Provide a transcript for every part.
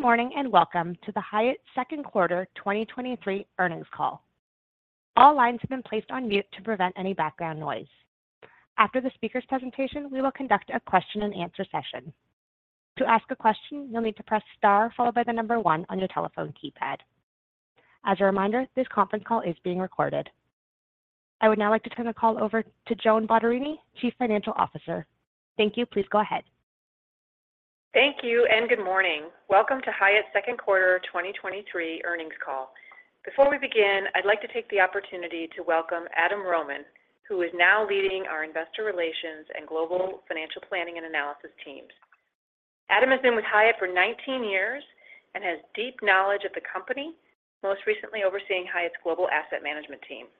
Good morning, and welcome to the Hyatt Second Quarter 2023 Earnings Call. All lines have been placed on mute to prevent any background noise. After the speaker's presentation, we will conduct a question and answer session. To ask a question, you'll need to press star followed by the number one on your telephone keypad. As a reminder, this conference call is being recorded. I would now like to turn the call over to Joan Bottarini, Chief Financial Officer. Thank you. Please go ahead. Thank you, and good morning. Welcome to Hyatt's second quarter 2023 earnings call. Before we begin, I'd like to take the opportunity to welcome Adam Rohman, who is now leading our Investor Relations and Global Financial Planning and Analysis teams. Adam has been with Hyatt for 19 years and has deep knowledge of the company, most recently overseeing Hyatt's Global Asset Management team.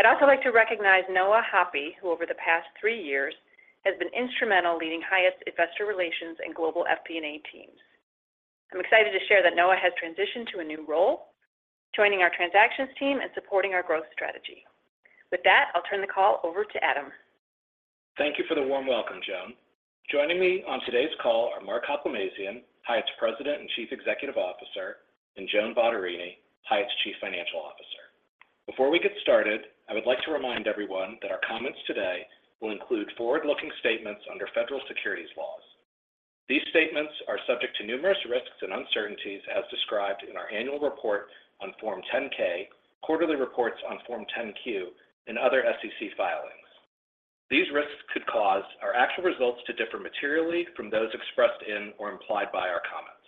I'd also like to recognize Noah Hoppe, who over the past three years, has been instrumental leading Hyatt's investor relations and global FP&A teams. I'm excited to share that Noah has transitioned to a new role, joining our transactions team and supporting our growth strategy. With that, I'll turn the call over to Adam. Thank you for the warm welcome, Joan. Joining me on today's call are Mark Hoplamazian, Hyatt's President and Chief Executive Officer, and Joan Bottarini, Hyatt's Chief Financial Officer. Before we get started, I would like to remind everyone that our comments today will include forward-looking statements under federal securities laws. These statements are subject to numerous risks and uncertainties, as described in our annual report on Form 10-K, quarterly reports on Form 10-Q, and other SEC filings. These risks could cause our actual results to differ materially from those expressed in or implied by our comments.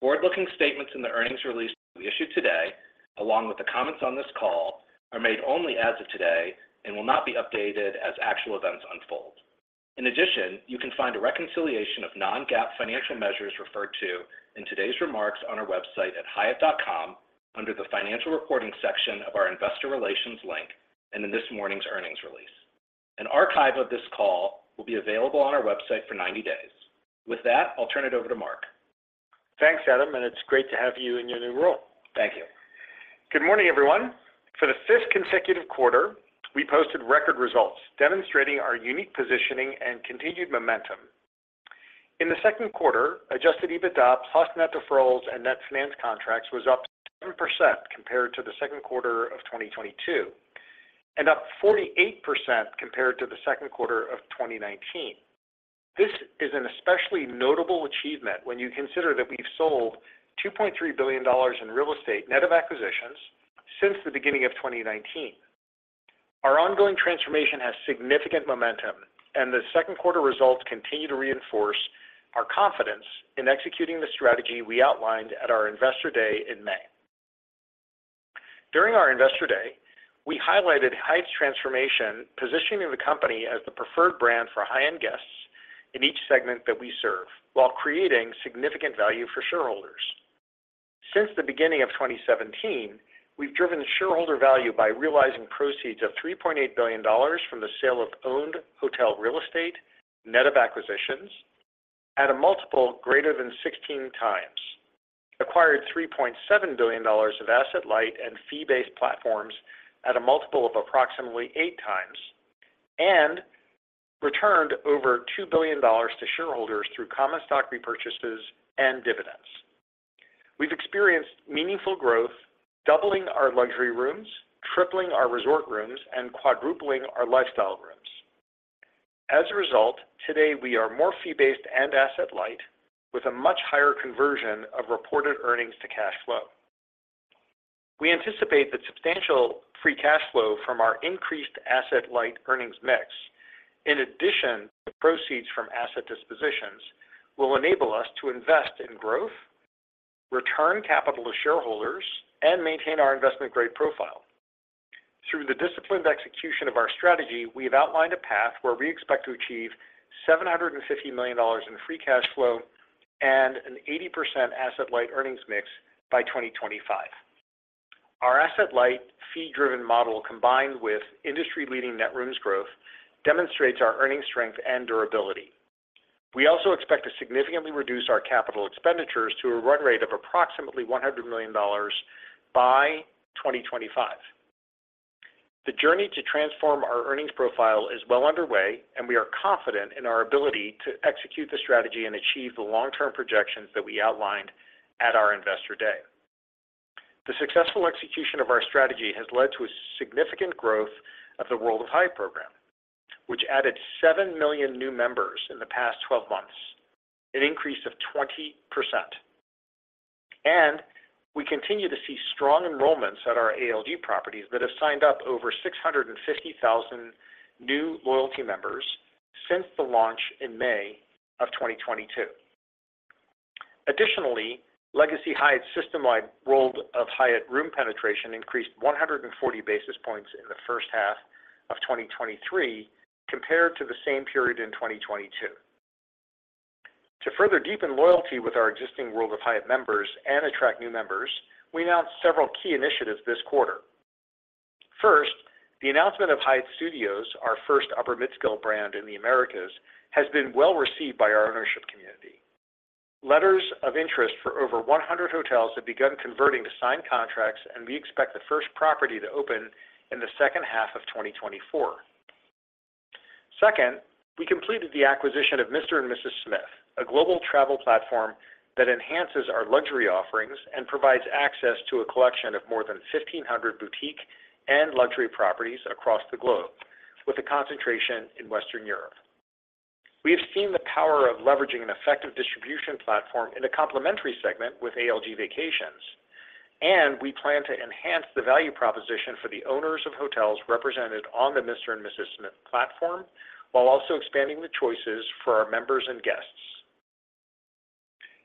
Forward-looking statements in the earnings release we issued today, along with the comments on this call, are made only as of today and will not be updated as actual events unfold. In addition, you can find a reconciliation of non-GAAP financial measures referred to in today's remarks on our website at hyatt.com, under the Financial Reporting section of our Investor Relations link and in this morning's earnings release. An archive of this call will be available on our website for 90 days. With that, I'll turn it over to Mark. Thanks, Adam, and it's great to have you in your new role. Thank you. Good morning, everyone. For the fifth consecutive quarter, we posted record results, demonstrating our unique positioning and continued momentum. In the second quarter, adjusted EBITDA plus Net Deferrals and Net Financed Contracts was up 7% compared to the second quarter of 2022, and up 48% compared to the second quarter of 2019. This is an especially notable achievement when you consider that we've sold $2.3 billion in real estate, net of acquisitions, since the beginning of 2019. Our ongoing transformation has significant momentum, and the second quarter results continue to reinforce our confidence in executing the strategy we outlined at our Investor Day in May. During our Investor Day, we highlighted Hyatt's transformation, positioning the company as the preferred brand for high-end guests in each segment that we serve, while creating significant value for shareholders. Since the beginning of 2017, we've driven shareholder value by realizing proceeds of $3.8 billion from the sale of owned hotel real estate, net of acquisitions at a multiple greater than 16x, acquired $3.7 billion of asset light and fee-based platforms at a multiple of approximately 8x, and returned over $2 billion to shareholders through common stock repurchases and dividends. We've experienced meaningful growth, doubling our luxury rooms, tripling our resort rooms, and quadrupling our lifestyle rooms. As a result, today we are more fee-based and asset light, with a much higher conversion of reported earnings to cash flow. We anticipate that substantial free cash flow from our increased asset-light earnings mix, in addition to proceeds from asset dispositions, will enable us to invest in growth, return capital to shareholders, and maintain our investment-grade profile. Through the disciplined execution of our strategy, we have outlined a path where we expect to achieve $750 million in free cash flow and an 80% asset-light earnings mix by 2025. Our asset-light, fee-driven model, combined with industry-leading net rooms growth, demonstrates our earnings strength and durability. We also expect to significantly reduce our capital expenditures to a run rate of approximately $100 million by 2025. The journey to transform our earnings profile is well underway, and we are confident in our ability to execute the strategy and achieve the long-term projections that we outlined at our Investor Day. The successful execution of our strategy has led to a significant growth of the World of Hyatt program, which added 7 million new members in the past 12 months, an increase of 20%. We continue to see strong enrollments at our ALG properties that have signed up over 650,000 new loyalty members since the launch in May 2022. Additionally, legacy Hyatt system-wide World of Hyatt room penetration increased 140 basis points in the first half of 2023, compared to the same period in 2022. To further deepen loyalty with our existing World of Hyatt members and attract new members, we announced several key initiatives this quarter. First, the announcement of Hyatt Studios, our first upper midscale brand in the Americas, has been well-received by our ownership community. Letters of interest for over 100 hotels have begun converting to signed contracts, and we expect the first property to open in the second half of 2024. Second, we completed the acquisition of Mr & Mrs Smith, a global travel platform that enhances our luxury offerings and provides access to a collection of more than 1,500 boutique and luxury properties across the globe, with a concentration in Western Europe. We have seen the power of leveraging an effective distribution platform in a complementary segment with ALG Vacations, and we plan to enhance the value proposition for the owners of hotels represented on the Mr & Mrs Smith platform, while also expanding the choices for our members and guests.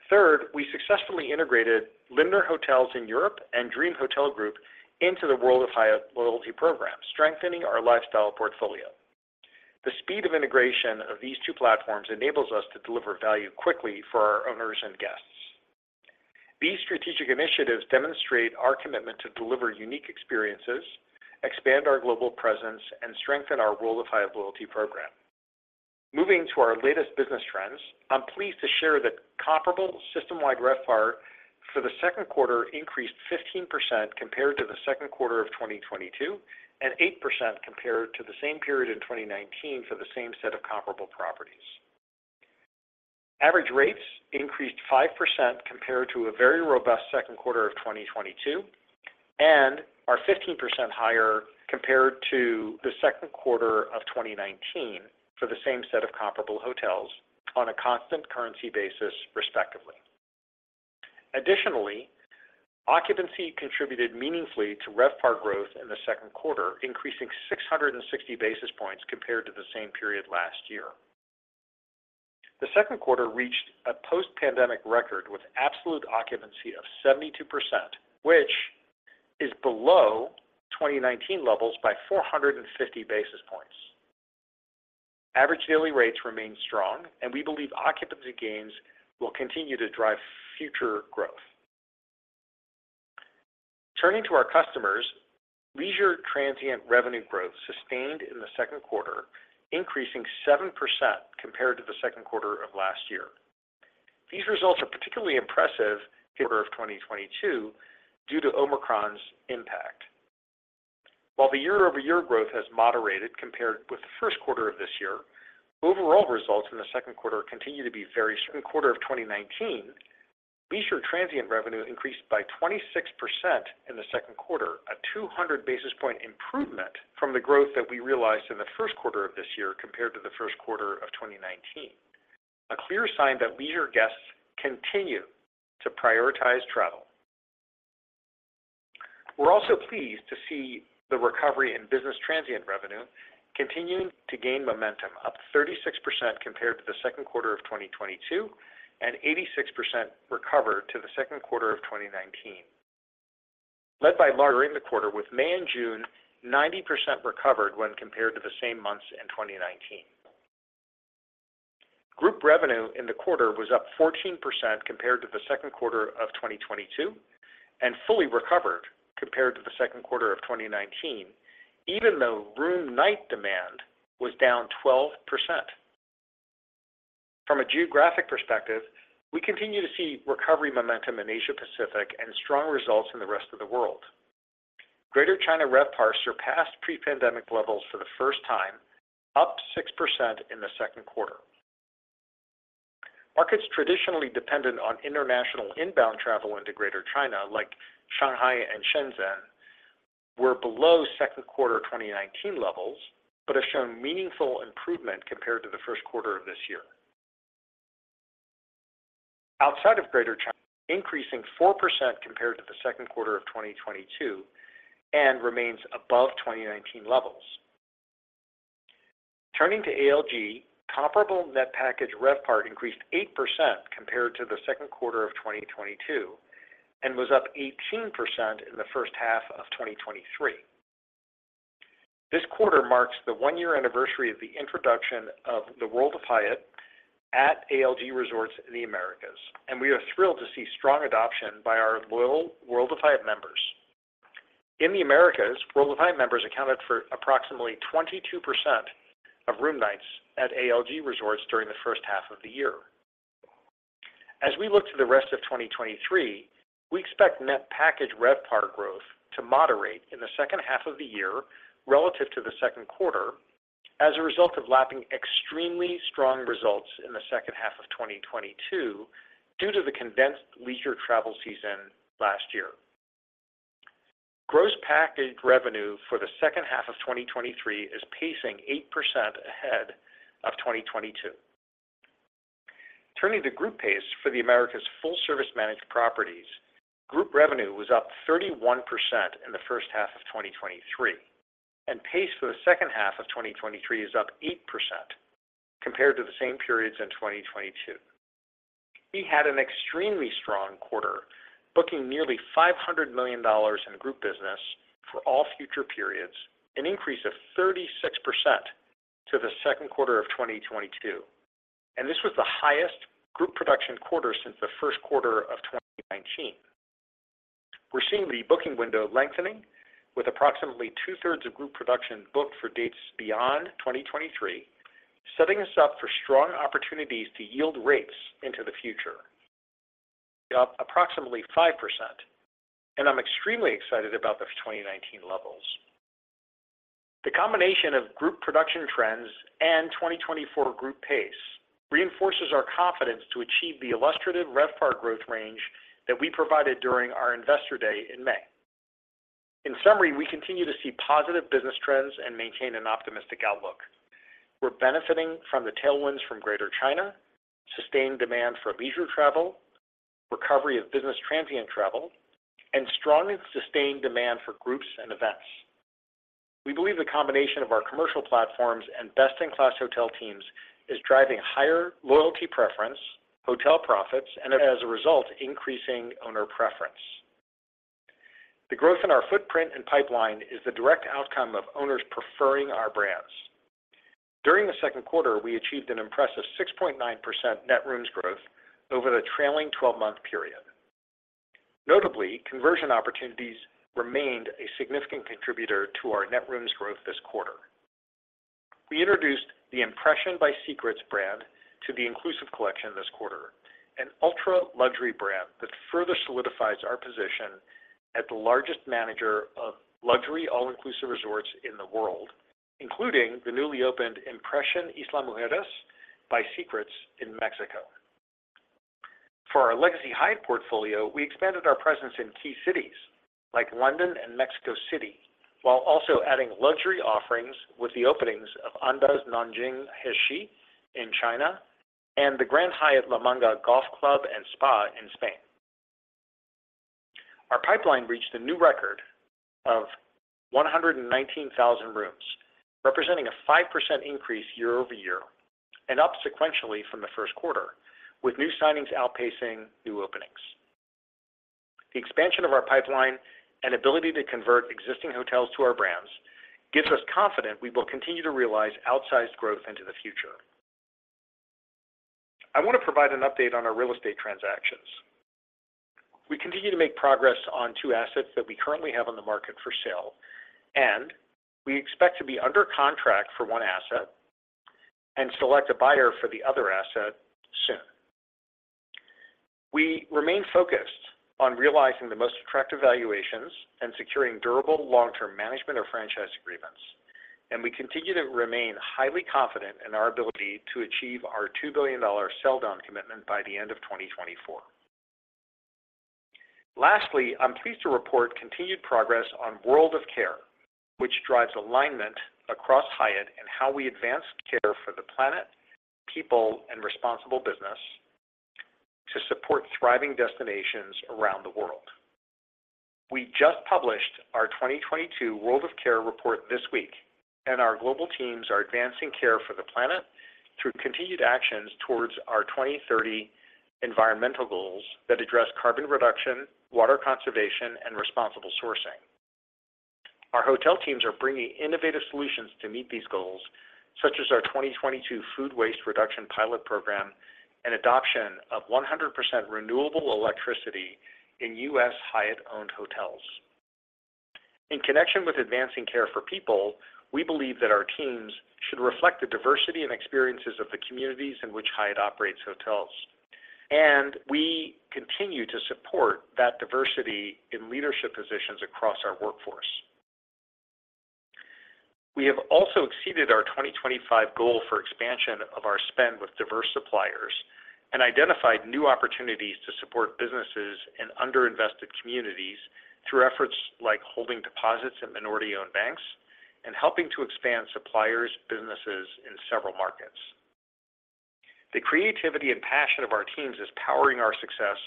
Third, we successfully integrated Lindner Hotels in Europe and Dream Hotel Group into the World of Hyatt loyalty program, strengthening our lifestyle portfolio. The speed of integration of these two platforms enables us to deliver value quickly for our owners and guests. These strategic initiatives demonstrate our commitment to deliver unique experiences, expand our global presence, and strengthen our World of Hyatt loyalty program. Moving to our latest business trends, I'm pleased to share that comparable system-wide RevPAR for the second quarter increased 15% compared to the second quarter of 2022, and 8% compared to the same period in 2019 for the same set of comparable properties. Average rates increased 5% compared to a very robust second quarter of 2022, and are 15% higher compared to the second quarter of 2019 for the same set of comparable hotels on a constant currency basis, respectively. Additionally, occupancy contributed meaningfully to RevPAR growth in the second quarter, increasing 660 basis points compared to the same period last year. The second quarter reached a post-pandemic record with absolute occupancy of 72%, which is below 2019 levels by 450 basis points. Average daily rates remain strong. We believe occupancy gains will continue to drive future growth. Turning to our customers, leisure transient revenue growth sustained in the second quarter, increasing 7% compared to the second quarter of last year. These results are particularly impressive due to Omicron's impact. While the year-over-year growth has moderated compared with the first quarter of this year, overall results in the second quarter continue to be. Second quarter of 2019, leisure transient revenue increased by 26% in the second quarter, a 200 basis point improvement from the growth that we realized in the first quarter of this year compared to the first quarter of 2019. A clear sign that leisure guests continue to prioritize travel. We're also pleased to see the recovery in business transient revenue continuing to gain momentum, up 36% compared to the second quarter of 2022, and 86% recovered to the second quarter of 2019. Led by larger in the quarter, with May and June, 90% recovered when compared to the same months in 2019. Group revenue in the quarter was up 14% compared to the second quarter of 2022, and fully recovered compared to the second quarter of 2019, even though room night demand was down 12%. From a geographic perspective, we continue to see recovery momentum in Asia-Pacific and strong results in the rest of the world. Greater China RevPAR surpassed pre-pandemic levels for the first time, up 6% in the second quarter. Markets traditionally dependent on international inbound travel into Greater China, like Shanghai and Shenzhen, were below second quarter 2019 levels, but have shown meaningful improvement compared to the first quarter of this year. Outside of Greater China, increasing 4% compared to the second quarter of 2022, and remains above 2019 levels. Turning to ALG, comparable Net Package RevPAR increased 8% compared to the second quarter of 2022, and was up 18% in the first half of 2023. This quarter marks the one-year anniversary of the introduction of the World of Hyatt at ALG Resorts in the Americas, and we are thrilled to see strong adoption by our loyal World of Hyatt members. In the Americas, World of Hyatt members accounted for approximately 22% of room nights at ALG Resorts during the first half of the year. As we look to the rest of 2023, we expect Net Package RevPAR growth to moderate in the second half of the year relative to the second quarter, as a result of lapping extremely strong results in the second half of 2022, due to the condensed leisure travel season last year. Gross package revenue for the second half of 2023 is pacing 8% ahead of 2022. Turning to group pace for the Americas full service managed properties, group revenue was up 31% in the first half of 2023, and pace for the second half of 2023 is up 8% compared to the same periods in 2022. We had an extremely strong quarter, booking nearly $500 million in group business for all future periods, an increase of 36% to the second quarter of 2022. This was the highest group production quarter since the first quarter of 2019. We're seeing the booking window lengthening, with approximately two-thirds of group production booked for dates beyond 2023, setting us up for strong opportunities to yield rates into the future. Up approximately 5%, I'm extremely excited about the 2019 levels. The combination of group production trends and 2024 group pace reinforces our confidence to achieve the illustrative RevPAR growth range that we provided during our Investor Day in May. In summary, we continue to see positive business trends and maintain an optimistic outlook. We're benefiting from the tailwinds from Greater China, sustained demand for leisure travel, recovery of business transient travel, and strong and sustained demand for groups and events. We believe the combination of our commercial platforms and best-in-class hotel teams is driving higher loyalty, preference, hotel profits, and as a result, increasing owner preference. The growth in our footprint and pipeline is the direct outcome of owners preferring our brands. During the second quarter, we achieved an impressive 6.9% net rooms growth over the trailing twelve-month period. Notably, conversion opportunities remained a significant contributor to our net rooms growth this quarter. We introduced the Impression by Secrets brand to the Inclusive Collection this quarter, an ultra-luxury brand that further solidifies our position as the largest manager of luxury, all-inclusive resorts in the world, including the newly opened Impression Isla Mujeres by Secrets in Mexico. For our Legacy Hyatt portfolio, we expanded our presence in key cities like London and Mexico City, while also adding luxury offerings with the openings of Andaz Nanjing Hexi in China and the Grand Hyatt La Manga Club Golf & Spa in Spain. Our pipeline reached a new record of 119,000 rooms, representing a 5% increase year-over-year and up sequentially from the first quarter, with new signings outpacing new openings. The expansion of our pipeline and ability to convert existing hotels to our brands gives us confident we will continue to realize outsized growth into the future. I want to provide an update on our real estate transactions. We continue to make progress on two assets that we currently have on the market for sale, and we expect to be under contract for one asset and select a buyer for the other asset soon. We remain focused on realizing the most attractive valuations and securing durable, long-term management or franchise agreements, and we continue to remain highly confident in our ability to achieve our $2 billion sell down commitment by the end of 2024. Lastly, I'm pleased to report continued progress on World of Care, which drives alignment across Hyatt and how we advance care for the planet, people, and responsible business to support thriving destinations around the world. We just published our 2022 World of Care report this week, and our global teams are advancing care for the planet through continued actions towards our 2030 environmental goals that address carbon reduction, water conservation, and responsible sourcing. Our hotel teams are bringing innovative solutions to meet these goals, such as our 2022 food waste reduction pilot program and adoption of 100% renewable electricity in U.S. Hyatt-owned hotels. In connection with advancing care for people, we believe that our teams should reflect the diversity and experiences of the communities in which Hyatt operates hotels, and we continue to support that diversity in leadership positions across our workforce. We have also exceeded our 2025 goal for expansion of our spend with diverse suppliers and identified new opportunities to support businesses in underinvested communities through efforts like holding deposits in minority-owned banks and helping to expand suppliers' businesses in several markets. The creativity and passion of our teams is powering our success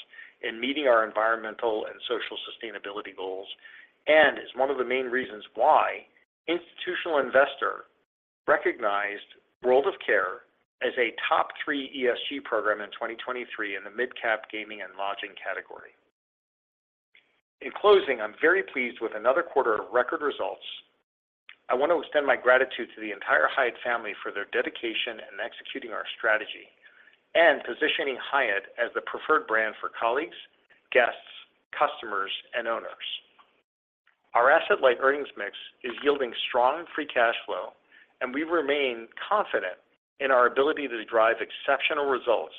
in meeting our environmental and social sustainability goals and is one of the main reasons why Institutional Investor recognized World of Care as a top 3 ESG program in 2023 in the mid-cap gaming and lodging category. In closing, I'm very pleased with another quarter of record results. I want to extend my gratitude to the entire Hyatt family for their dedication in executing our strategy and positioning Hyatt as the preferred brand for colleagues, guests, customers, and owners. Our asset-light earnings mix is yielding strong free cash flow, and we remain confident in our ability to drive exceptional results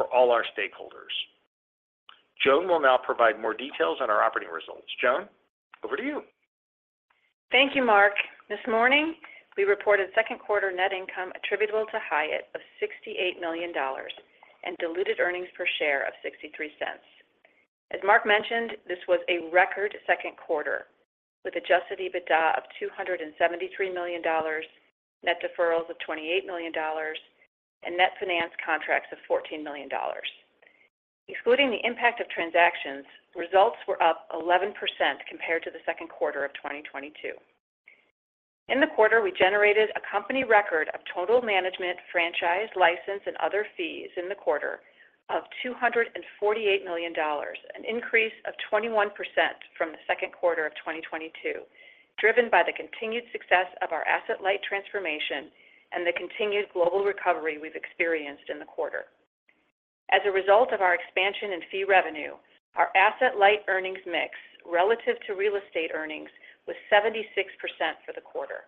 for all our stakeholders. Joan will now provide more details on our operating results. Joan, over to you. Thank you, Mark. This morning, we reported second quarter net income attributable to Hyatt of $68 million and diluted earnings per share of $0.63. As Mark mentioned, this was a record second quarter with adjusted EBITDA of $273 million, Net Deferrals of $28 million, and Net Financed Contracts of $14 million. Excluding the impact of transactions, results were up 11% compared to the second quarter of 2022. In the quarter, we generated a company record of total management, franchise, license, and other fees in the quarter of $248 million, an increase of 21% from the second quarter of 2022, driven by the continued success of our asset-light transformation and the continued global recovery we've experienced in the quarter. As a result of our expansion in fee revenue, our asset-light earnings mix relative to real estate earnings was 76% for the quarter.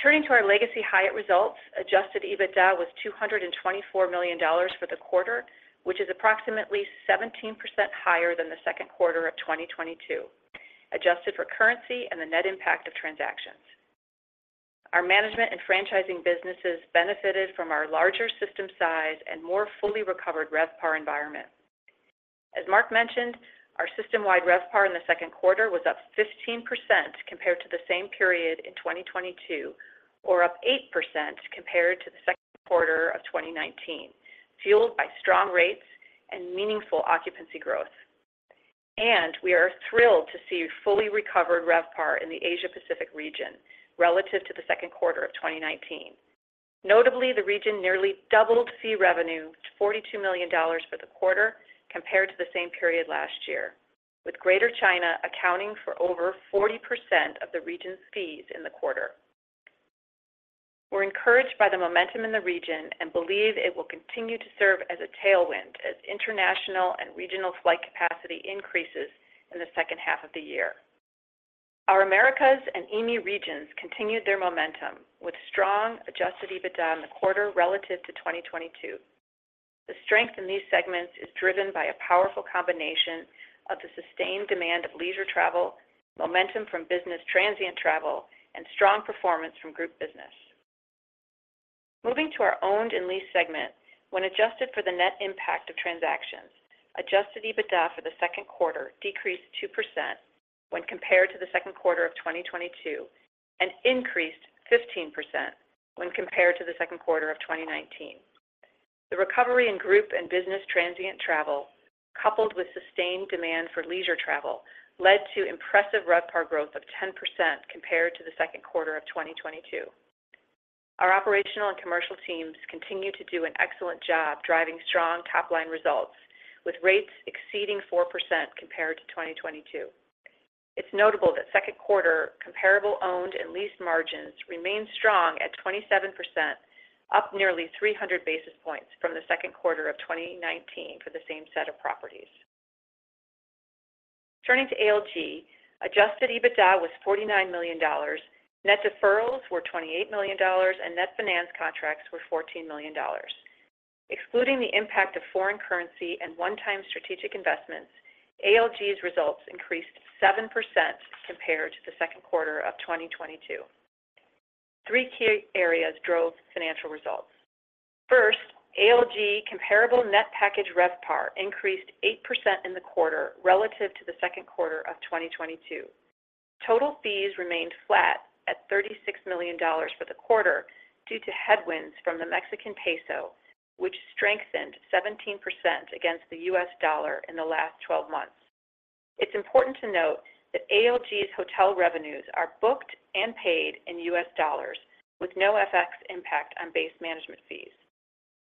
Turning to our Legacy Hyatt results, adjusted EBITDA was $224 million for the quarter, which is approximately 17% higher than the second quarter of 2022, adjusted for currency and the net impact of transactions. Our management and franchising businesses benefited from our larger system size and more fully recovered RevPAR environment. As Mark mentioned, our system-wide RevPAR in the second quarter was up 15% compared to the same period in 2022, or up 8% compared to the second quarter of 2019, fueled by strong rates and meaningful occupancy growth. We are thrilled to see fully recovered RevPAR in the Asia Pacific region relative to the second quarter of 2019. Notably, the region nearly doubled fee revenue to $42 million for the quarter compared to the same period last year, with Greater China accounting for over 40% of the region's fees in the quarter. We're encouraged by the momentum in the region and believe it will continue to serve as a tailwind as international and regional flight capacity increases in the second half of the year. Our Americas and EAME regions continued their momentum, with strong adjusted EBITDA in the quarter relative to 2022. The strength in these segments is driven by a powerful combination of the sustained demand of leisure travel, momentum from business transient travel, and strong performance from group business. Moving to our owned and leased segment, when adjusted for the net impact of transactions, adjusted EBITDA for the second quarter decreased 2% when compared to the second quarter of 2022, and increased 15% when compared to the second quarter of 2019. The recovery in group and business transient travel, coupled with sustained demand for leisure travel, led to impressive RevPAR growth of 10% compared to the second quarter of 2022. Our operational and commercial teams continue to do an excellent job driving strong top-line results, with rates exceeding 4% compared to 2022. It's notable that second quarter comparable owned and leased margins remained strong at 27%, up nearly 300 basis points from the second quarter of 2019 for the same set of properties. Turning to ALG, adjusted EBITDA was $49 million, Net Deferrals were $28 million, and Net Financed Contracts were $14 million. Excluding the impact of foreign currency and one-time strategic investments, ALG's results increased 7% compared to the second quarter of 2022. Three key areas drove financial results. First, ALG comparable Net Package RevPAR increased 8% in the quarter relative to the second quarter of 2022. Total fees remained flat at $36 million for the quarter due to headwinds from the Mexican peso, which strengthened 17% against the U.S. dollar in the last 12 months. It's important to note that ALG's hotel revenues are booked and paid in U.S. dollars, with no FX impact on base management fees.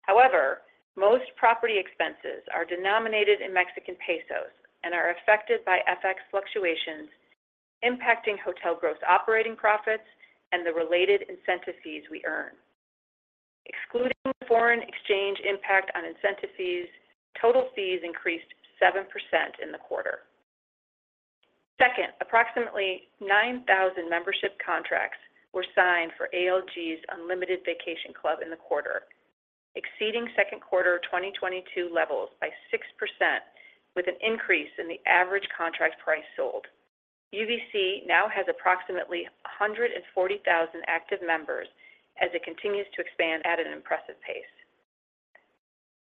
However, most property expenses are denominated in Mexican pesos and are affected by FX fluctuations, impacting hotel gross operating profits and the related incentive fees we earn. Excluding foreign exchange impact on incentive fees, total fees increased 7% in the quarter. Second, approximately 9,000 membership contracts were signed for ALG's Unlimited Vacation Club in the quarter, exceeding second quarter of 2022 levels by 6%, with an increase in the average contract price sold. UVC now has approximately 140,000 active members as it continues to expand at an impressive pace.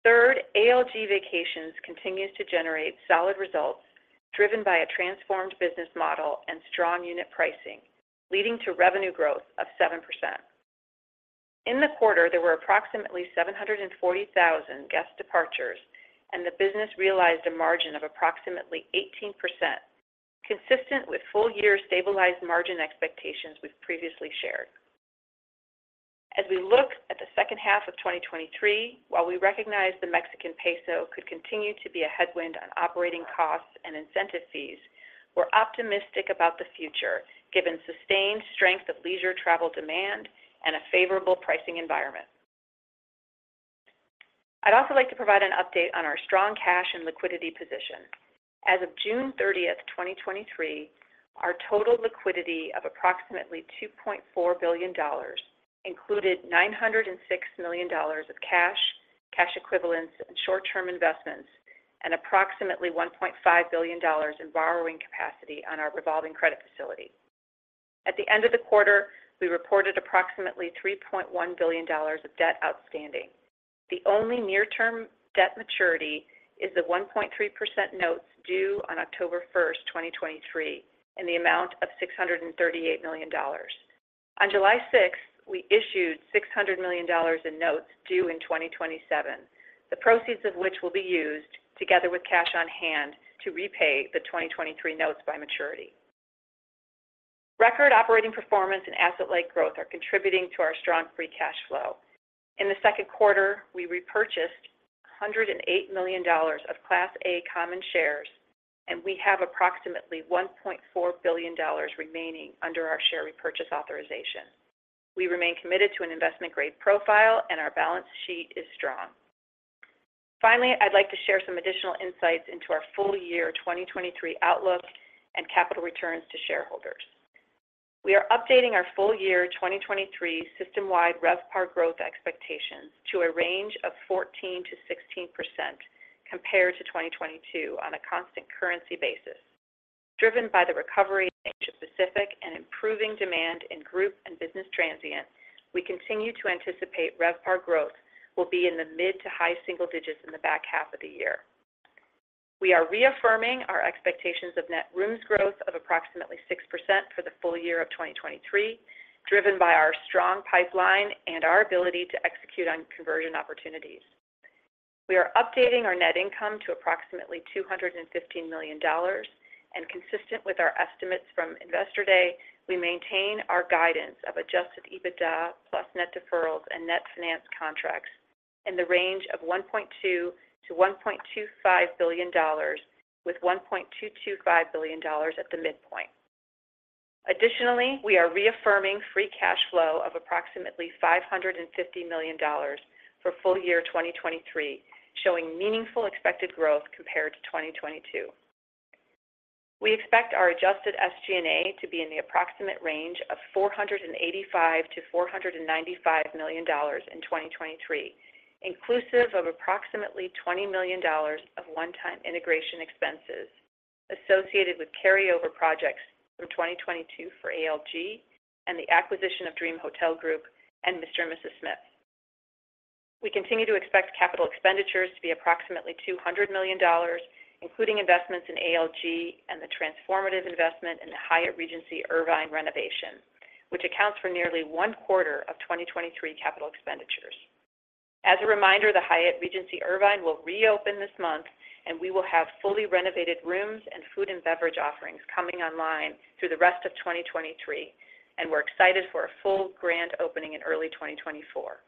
Third, ALG Vacations continues to generate solid results, driven by a transformed business model and strong unit pricing, leading to revenue growth of 7%. In the quarter, there were approximately 740,000 guest departures, and the business realized a margin of approximately 18%, consistent with full-year stabilized margin expectations we've previously shared. As we look at the second half of 2023, while we recognize the Mexican peso could continue to be a headwind on operating costs and incentive fees, we're optimistic about the future, given sustained strength of leisure travel demand and a favorable pricing environment. I'd also like to provide an update on our strong cash and liquidity position. As of June 30, 2023, our total liquidity of approximately $2.4 billion included $906 million of cash, cash equivalents, and short-term investments, and approximately $1.5 billion in borrowing capacity on our revolving credit facility. At the end of the quarter, we reported approximately $3.1 billion of debt outstanding. The only near-term debt maturity is the 1.3% notes due on October 1, 2023, in the amount of $638 million. On July 6, we issued $600 million in notes due in 2027, the proceeds of which will be used, together with cash on hand, to repay the 2023 notes by maturity. Record operating performance and asset-light growth are contributing to our strong free cash flow. In the second quarter, we repurchased $108 million of Class A common shares, and we have approximately $1.4 billion remaining under our share repurchase authorization. We remain committed to an investment-grade profile, and our balance sheet is strong. Finally, I'd like to share some additional insights into our full year 2023 outlook and capital returns to shareholders. We are updating our full year 2023 system-wide RevPAR growth expectations to a range of 14%-16% compared to 2022 on a constant currency basis. Driven by the recovery in Asia-Pacific and improving demand in group and business transient, we continue to anticipate RevPAR growth will be in the mid to high single digits in the back half of the year. We are reaffirming our expectations of net rooms growth of approximately 6% for the full year of 2023, driven by our strong pipeline and our ability to execute on conversion opportunities. We are updating our net income to approximately $215 million. Consistent with our estimates from Investor Day, we maintain our guidance of adjusted EBITDA plus Net Deferrals and Net Financed Contracts in the range of $1.2 billion-$1.25 billion, with $1.225 billion at the midpoint. Additionally, we are reaffirming free cash flow of approximately $550 million for full year 2023, showing meaningful expected growth compared to 2022. We expect our adjusted SG&A to be in the approximate range of $485 million-$495 million in 2023, inclusive of approximately $20 million of one-time integration expenses associated with carryover projects from 2022 for ALG and the acquisition of Dream Hotel Group and Mr & Mrs Smith. We continue to expect capital expenditures to be approximately $200 million, including investments in ALG and the transformative investment in the Hyatt Regency Irvine renovation, which accounts for nearly one quarter of 2023 capital expenditures. As a reminder, the Hyatt Regency Irvine will reopen this month, and we will have fully renovated rooms and food and beverage offerings coming online through the rest of 2023, and we're excited for a full grand opening in early 2024.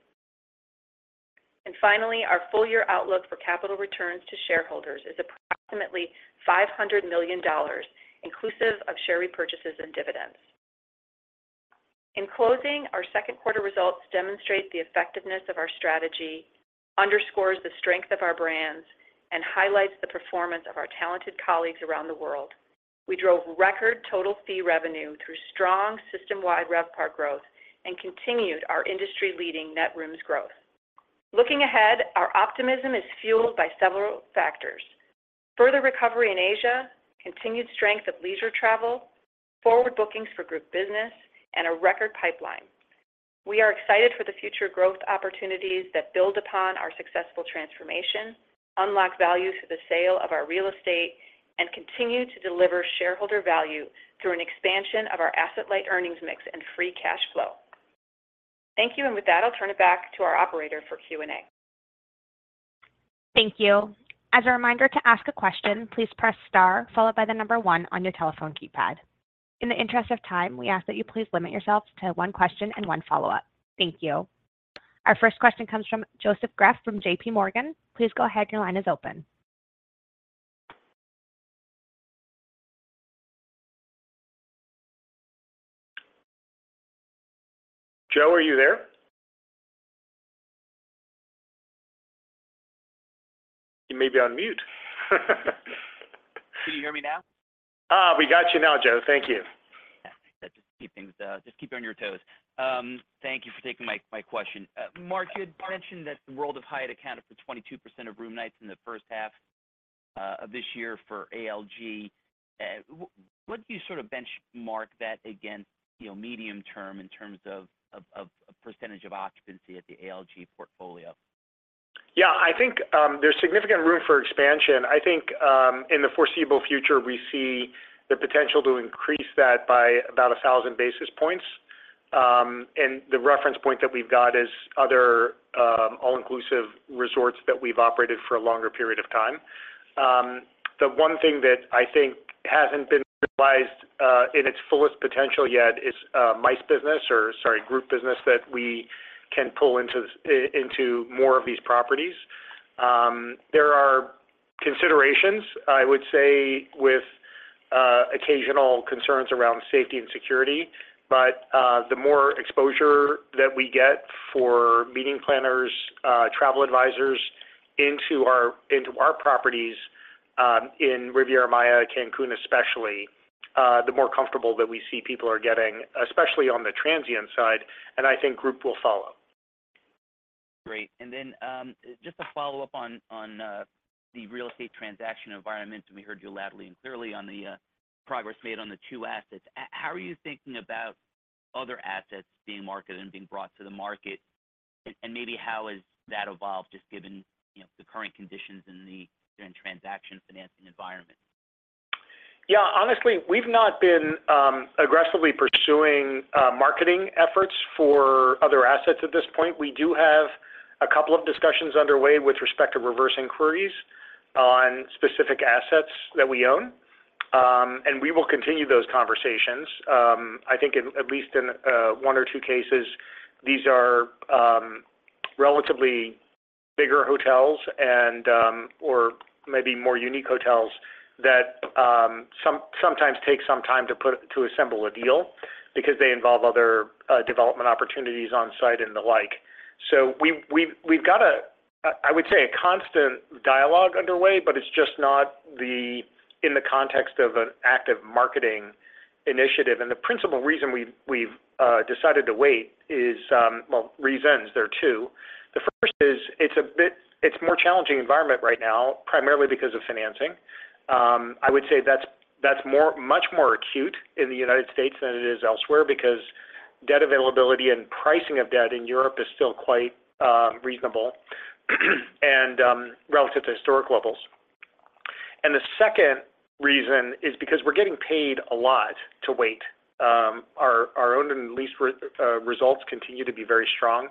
Finally, our full year outlook for capital returns to shareholders is approximately $500 million, inclusive of share repurchases and dividends. In closing, our second quarter results demonstrate the effectiveness of our strategy, underscores the strength of our brands, and highlights the performance of our talented colleagues around the world. We drove record total fee revenue through strong system-wide RevPAR growth and continued our industry-leading net rooms growth. Looking ahead, our optimism is fueled by several factors: further recovery in Asia, continued strength of leisure travel, forward bookings for group business, and a record pipeline. We are excited for the future growth opportunities that build upon our successful transformation, unlock value through the sale of our real estate, and continue to deliver shareholder value through an expansion of our asset-light earnings mix and free cash flow. Thank you, and with that, I'll turn it back to our operator for Q&A. Thank you. As a reminder to ask a question, please press star followed by the number one on your telephone keypad. In the interest of time, we ask that you please limit yourself to one question and one follow-up. Thank you. Our first question comes from Joseph Greff from JPMorgan. Please go ahead. Your line is open. Joe, are you there? You may be on mute. Can you hear me now? Ah, we got you now, Joe. Thank you. Yeah, just keep things, just keep you on your toes. Thank you for taking my, my question. Mark, you had mentioned that the World of Hyatt accounted for 22% of room nights in the first half of this year for ALG. What do you sort of benchmark that against, you know, medium term in terms of, of, of percentage of occupancy at the ALG portfolio? Yeah, I think, there's significant room for expansion. I think, in the foreseeable future, we see the potential to increase that by about 1,000 basis points. The reference point that we've got is other, all-inclusive resorts that we've operated for a longer period of time. The one thing that I think hasn't been realized, in its fullest potential yet is MICE business, or sorry, group business, that we can pull into more of these properties. There are considerations, I would say, with occasional concerns around safety and security, but the more exposure that we get for meeting planners, travel advisors into our, into our properties, in Riviera Maya, Cancun especially, the more comfortable that we see people are getting, especially on the transient side, and I think group will follow. Great. Just to follow up on, on, the real estate transaction environment, and we heard you loudly and clearly on the, progress made on the two assets. How are you thinking about other assets being marketed and being brought to the market? Maybe how has that evolved, just given, you know, the current conditions in the current transaction financing environment? Yeah, honestly, we've not been aggressively pursuing marketing efforts for other assets at this point. We do have a couple of discussions underway with respect to reverse inquiries on specific assets that we own. We will continue those conversations. I think at, at least in one or two cases, these are relatively bigger hotels and or maybe more unique hotels that sometimes take some time to assemble a deal because they involve other development opportunities on site and the like. We've got a, I would say, a constant dialogue underway, but it's just not the, in the context of an active marketing initiative. The principal reason we've decided to wait is. Well, reasons, there are two. The first is it's a more challenging environment right now, primarily because of financing. I would say that's much more acute in the United States than it is elsewhere, because debt availability and pricing of debt in Europe is still quite reasonable, and relative to historic levels. The second reason is because we're getting paid a lot to wait. Our own lease results continue to be very strong.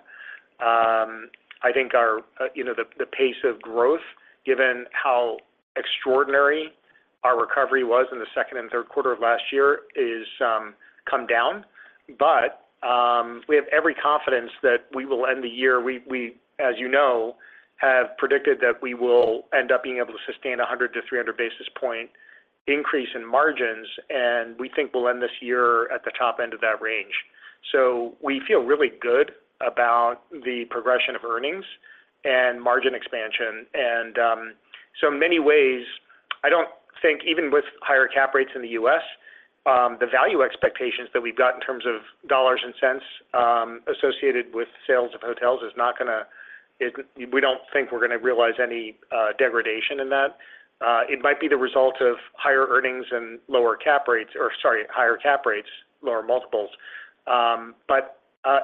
I think our, you know, the pace of growth, given how extraordinary our recovery was in the second and third quarter of last year, is come down. We have every confidence that we will end the year. We, as you know, have predicted that we will end up being able to sustain a 100-300 basis point increase in margins, and we think we'll end this year at the top end of that range. In many ways, I don't think even with higher cap rates in the U.S., the value expectations that we've got in terms of dollars and cents associated with sales of hotels is not going to. We don't think we're going to realize any degradation in that. It might be the result of higher earnings and lower cap rates, or sorry, higher cap rates, lower multiples.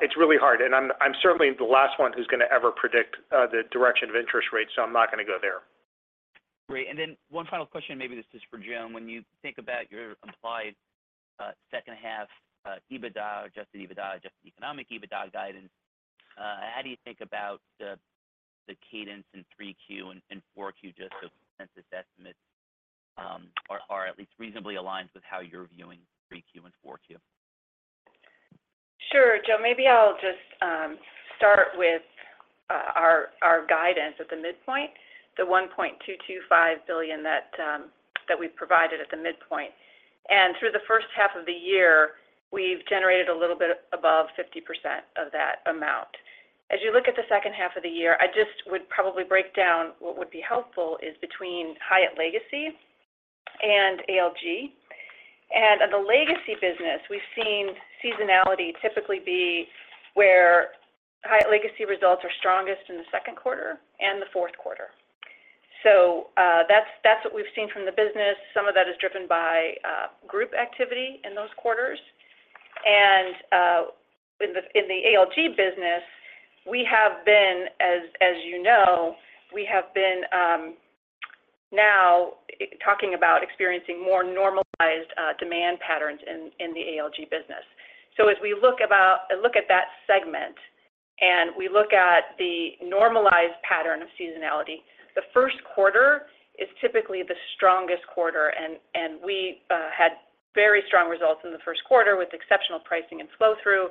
It's really hard, and I'm, I'm certainly the last one who's going to ever predict the direction of interest rates, so I'm not going to go there. Great. Then one final question, maybe this is for Joan. When you think about your implied second half EBITDA, adjusted EBITDA, adjusted economic EBITDA guidance, how do you think about the cadence in 3Q and 4Q, just the consensus estimates, or are at least reasonably aligned with how you're viewing 3Q and 4Q? Sure, Joe, maybe I'll just start with our guidance at the midpoint, the $1.225 billion that we provided at the midpoint. Through the first half of the year, we've generated a little bit above 50% of that amount. As you look at the second half of the year, I just would probably break down what would be helpful is between Hyatt Legacy and ALG. On the Legacy business, we've seen seasonality typically be where Hyatt Legacy results are strongest in the second quarter and the fourth quarter. That's what we've seen from the business. Some of that is driven by group activity in those quarters. In the ALG business, we have been, as, as you know, we have been now talking about experiencing more normalized demand patterns in the ALG business. As we look at that segment, and we look at the normalized pattern of seasonality, the first quarter is typically the strongest quarter, and we had very strong results in the first quarter with exceptional pricing and flow-through.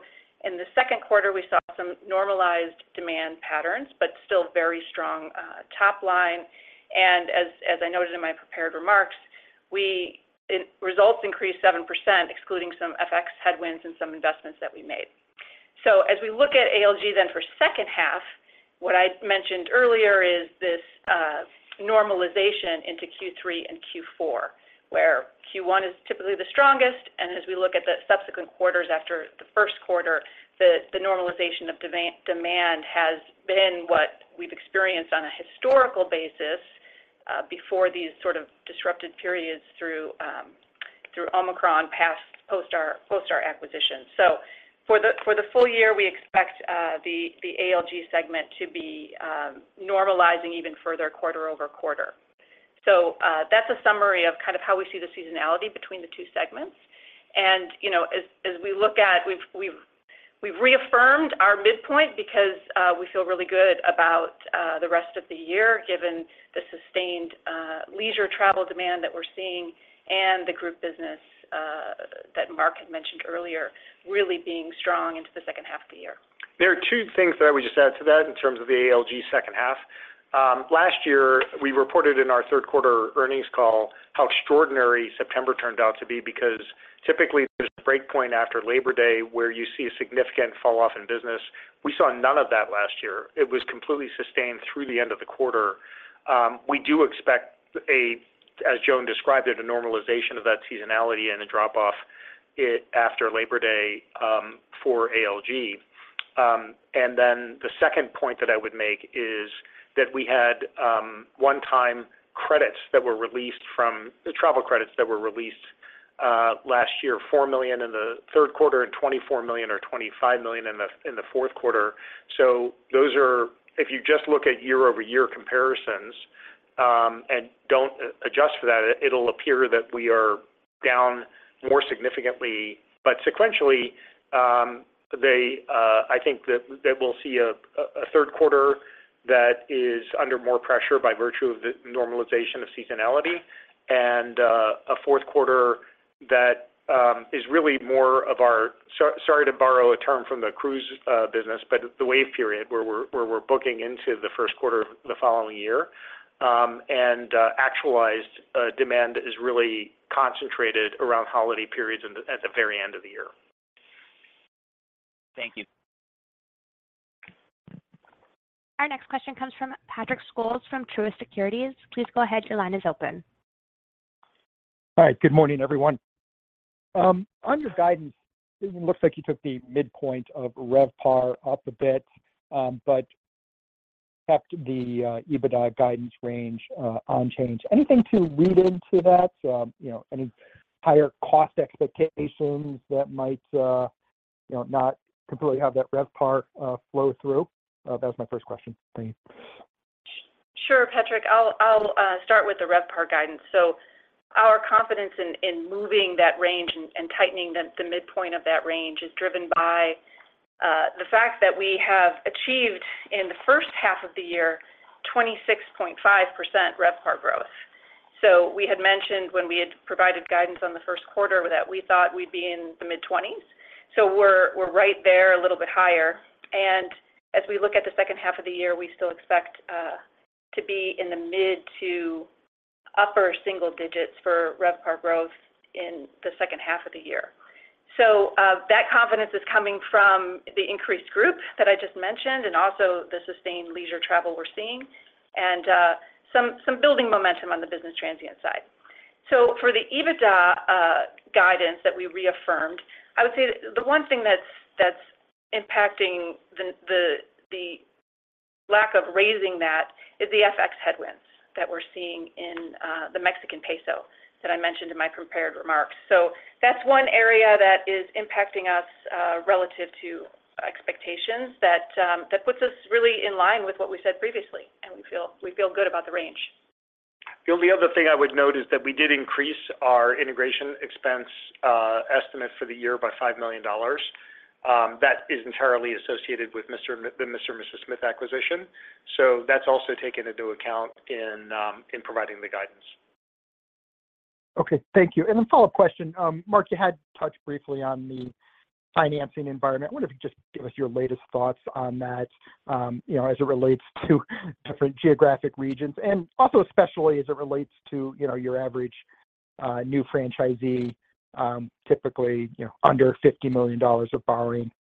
In the second quarter, we saw some normalized demand patterns, but still very strong top line. As, as I noted in my prepared remarks, results increased 7%, excluding some FX headwinds and some investments that we made. As we look at ALG then for second half, what I mentioned earlier is this normalization into Q3 and Q4, where Q1 is typically the strongest, and as we look at the subsequent quarters after the first quarter, the normalization of demand has been what we've experienced on a historical basis, before these sort of disrupted periods through Omicron, post our, post our acquisition. For the, for the full year, we expect the ALG segment to be normalizing even further quarter-over-quarter. That's a summary of kind of how we see the seasonality between the two segments. You know, as, as we look at. We've reaffirmed our midpoint because we feel really good about the rest of the year, given the sustained leisure travel demand that we're seeing and the group business that Mark had mentioned earlier, really being strong into the second half of the year. There are two things that I would just add to that in terms of the ALG second half. Last year, we reported in our third quarter earnings call, how extraordinary September turned out to be, because typically, there's a breakpoint after Labor Day, where you see a significant falloff in business. We saw none of that last year. It was completely sustained through the end of the quarter. We do expect a, as Joan described it, a normalization of that seasonality and a drop-off after Labor Day, for ALG. The second point that I would make is that we had, one-time credits that were released from. The travel credits that were released, last year, $4 million in the third quarter and $24 million or $25 million in the, in the fourth quarter. Those are if you just look at year-over-year comparisons, and don't adjust for that, it'll appear that we are down more significantly. Sequentially, they, I think that, that we'll see a third quarter that is under more pressure by virtue of the normalization of seasonality and a fourth quarter that is really more of our. Sorry to borrow a term from the cruise, business, but the wave period, where we're, where we're booking into the first quarter of the following year. Actualized demand is really concentrated around holiday periods and at the very end of the year. Thank you. Our next question comes from Patrick Scholes from Truist Securities. Please go ahead. Your line is open. Hi, good morning, everyone. On your guidance, it looks like you took the midpoint of RevPAR up a bit, but kept the EBITDA guidance range unchanged. Anything to read into that, you know, any higher cost expectations that might, you know, not completely have that RevPAR flow through? That was my first question. Thank you. Sure, Patrick. I'll, I'll start with the RevPAR guidance. Our confidence in, in moving that range and, and tightening the, the midpoint of that range is driven by the fact that we have achieved in the first half of the year, 26.5% RevPAR growth. We had mentioned when we had provided guidance on the first quarter, that we thought we'd be in the mid-20s. We're, we're right there, a little bit higher, and as we look at the second half of the year, we still expect to be in the mid- to upper single digits for RevPAR growth in the second half of the year. That confidence is coming from the increased group that I just mentioned, and also the sustained leisure travel we're seeing, and some, some building momentum on the business transient side. For the EBITDA guidance that we reaffirmed, I would say the one thing that's, that's impacting the, the, the lack of raising that is the FX headwinds that we're seeing in the Mexican peso that I mentioned in my prepared remarks. That's one area that is impacting us relative to expectations that puts us really in line with what we said previously, and we feel, we feel good about the range. The only other thing I would note is that we did increase our integration expense, estimate for the year by $5 million. That is entirely associated with the Mr & Mrs Smith acquisition. That's also taken into account in providing the guidance. Okay, thank you. A follow-up question. Mark, you had touched briefly on the financing environment. I wonder if you could just give us your latest thoughts on that, you know, as it relates to different geographic regions, and also especially as it relates to, you know, your average new franchisee, typically, you know, under $50 million of borrowing.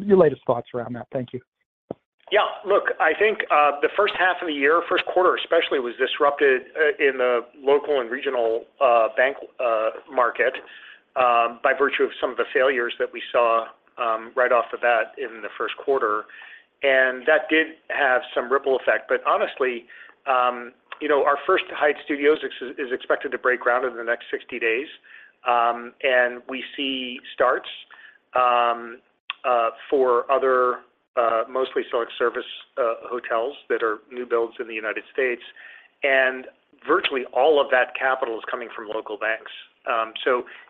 Your latest thoughts around that. Thank you. Yeah, look, I think, the first half of the year, first quarter especially, was disrupted, in the local and regional, bank, market, by virtue of some of the failures that we saw, right off the bat in the first quarter, and that did have some ripple effect. Honestly, you know, our first Hyatt Studios is, is expected to break ground in the next 60 days, and we see starts, for other, mostly select service, hotels that are new builds in the United States, and virtually all of that capital is coming from local banks.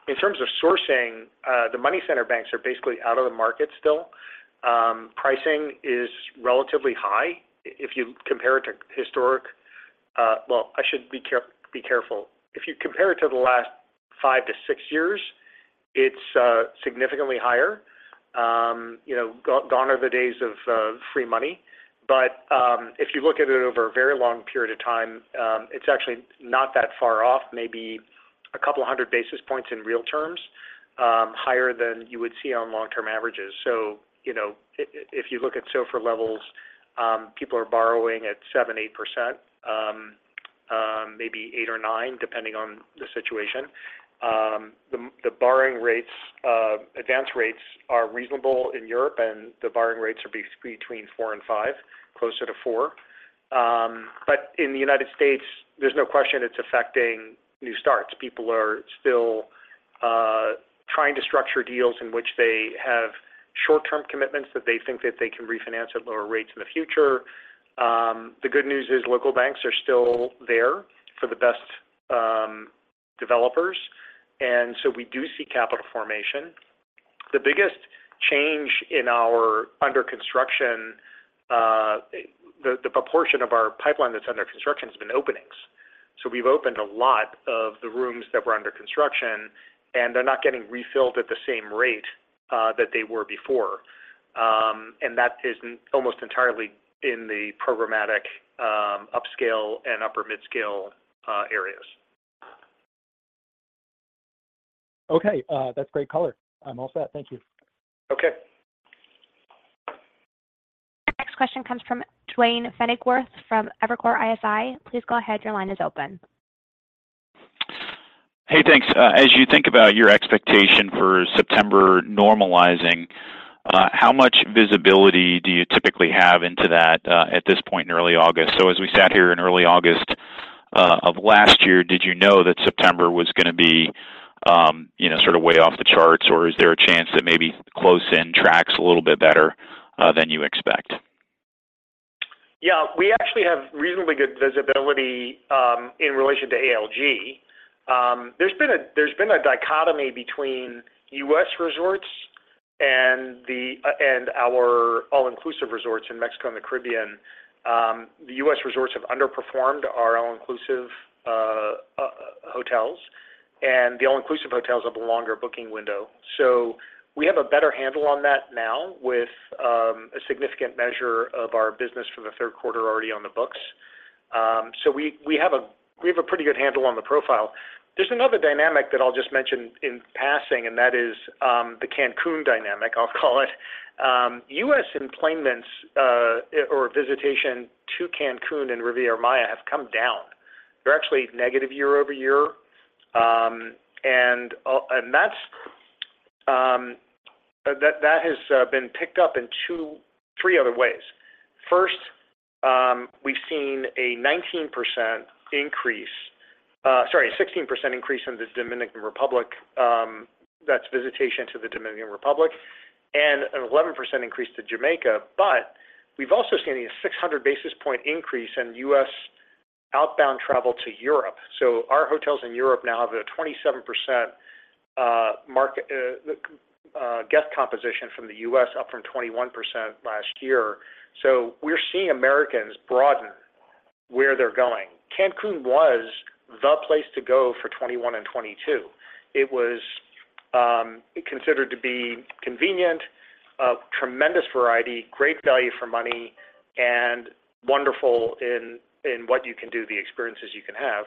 In terms of sourcing, the money center banks are basically out of the market still. Pricing is relatively high if you compare it to historic. Well, I should be care- be careful. If you compare it to the last five to six years, it's significantly higher. You know, gone, gone are the days of free money, if you look at it over a very long period of time, it's actually not that far off, maybe a couple of 100 basis points in real terms, higher than you would see on long-term averages. You know, if you look at SOFR levels, people are borrowing at 7%, 8%, maybe 8 or 9, depending on the situation. The borrowing rates, advance rates are reasonable in Europe, the borrowing rates are between 4 and 5, closer to 4. In the United States, there's no question it's affecting new starts. People are still trying to structure deals in which they have short-term commitments that they think that they can refinance at lower rates in the future. The good news is local banks are still there for the best developers, and so we do see capital formation. The biggest change in our under construction, the proportion of our pipeline that's under construction has been openings. We've opened a lot of the rooms that were under construction, and they're not getting refilled at the same rate that they were before. And that is almost entirely in the programmatic, upscale and upper-midscale areas. That's great color. I'm all set. Thank you. Okay. Next question comes from Duane Pfennigwerth from Evercore ISI. Please go ahead, your line is open. Hey, thanks. As you think about your expectation for September normalizing, how much visibility do you typically have into that, at this point in early August? As we sat here in early August, of last year, did you know that September was gonna be, you know, sort of way off the charts, or is there a chance that maybe close in tracks a little bit better than you expect? Yeah, we actually have reasonably good visibility in relation to ALG. There's been a dichotomy between U.S. resorts and our all-inclusive resorts in Mexico and the Caribbean. The U.S. resorts have underperformed our all-inclusive hotels, and the all-inclusive hotels have a longer booking window. We have a better handle on that now with a significant measure of our business for the third quarter already on the books. We have a pretty good handle on the profile. There's another dynamic that I'll just mention in passing, and that is the Cancun dynamic, I'll call it. U.S. enplanements or visitation to Cancun and Riviera Maya have come down. They're actually negative year-over-year. That's that, that has been picked up in two, three other ways. First, we've seen a 19% increase, sorry, a 16% increase in the Dominican Republic, that's visitation to the Dominican Republic, and an 11% increase to Jamaica. We've also seen a 600 basis point increase in U.S. outbound travel to Europe. Our hotels in Europe now have a 27% market guest composition from the U.S., up from 21% last year. We're seeing Americans broaden where they're going. Cancun was the place to go for '21 and '22. It was considered to be convenient, a tremendous variety, great value for money, and wonderful in, in what you can do, the experiences you can have.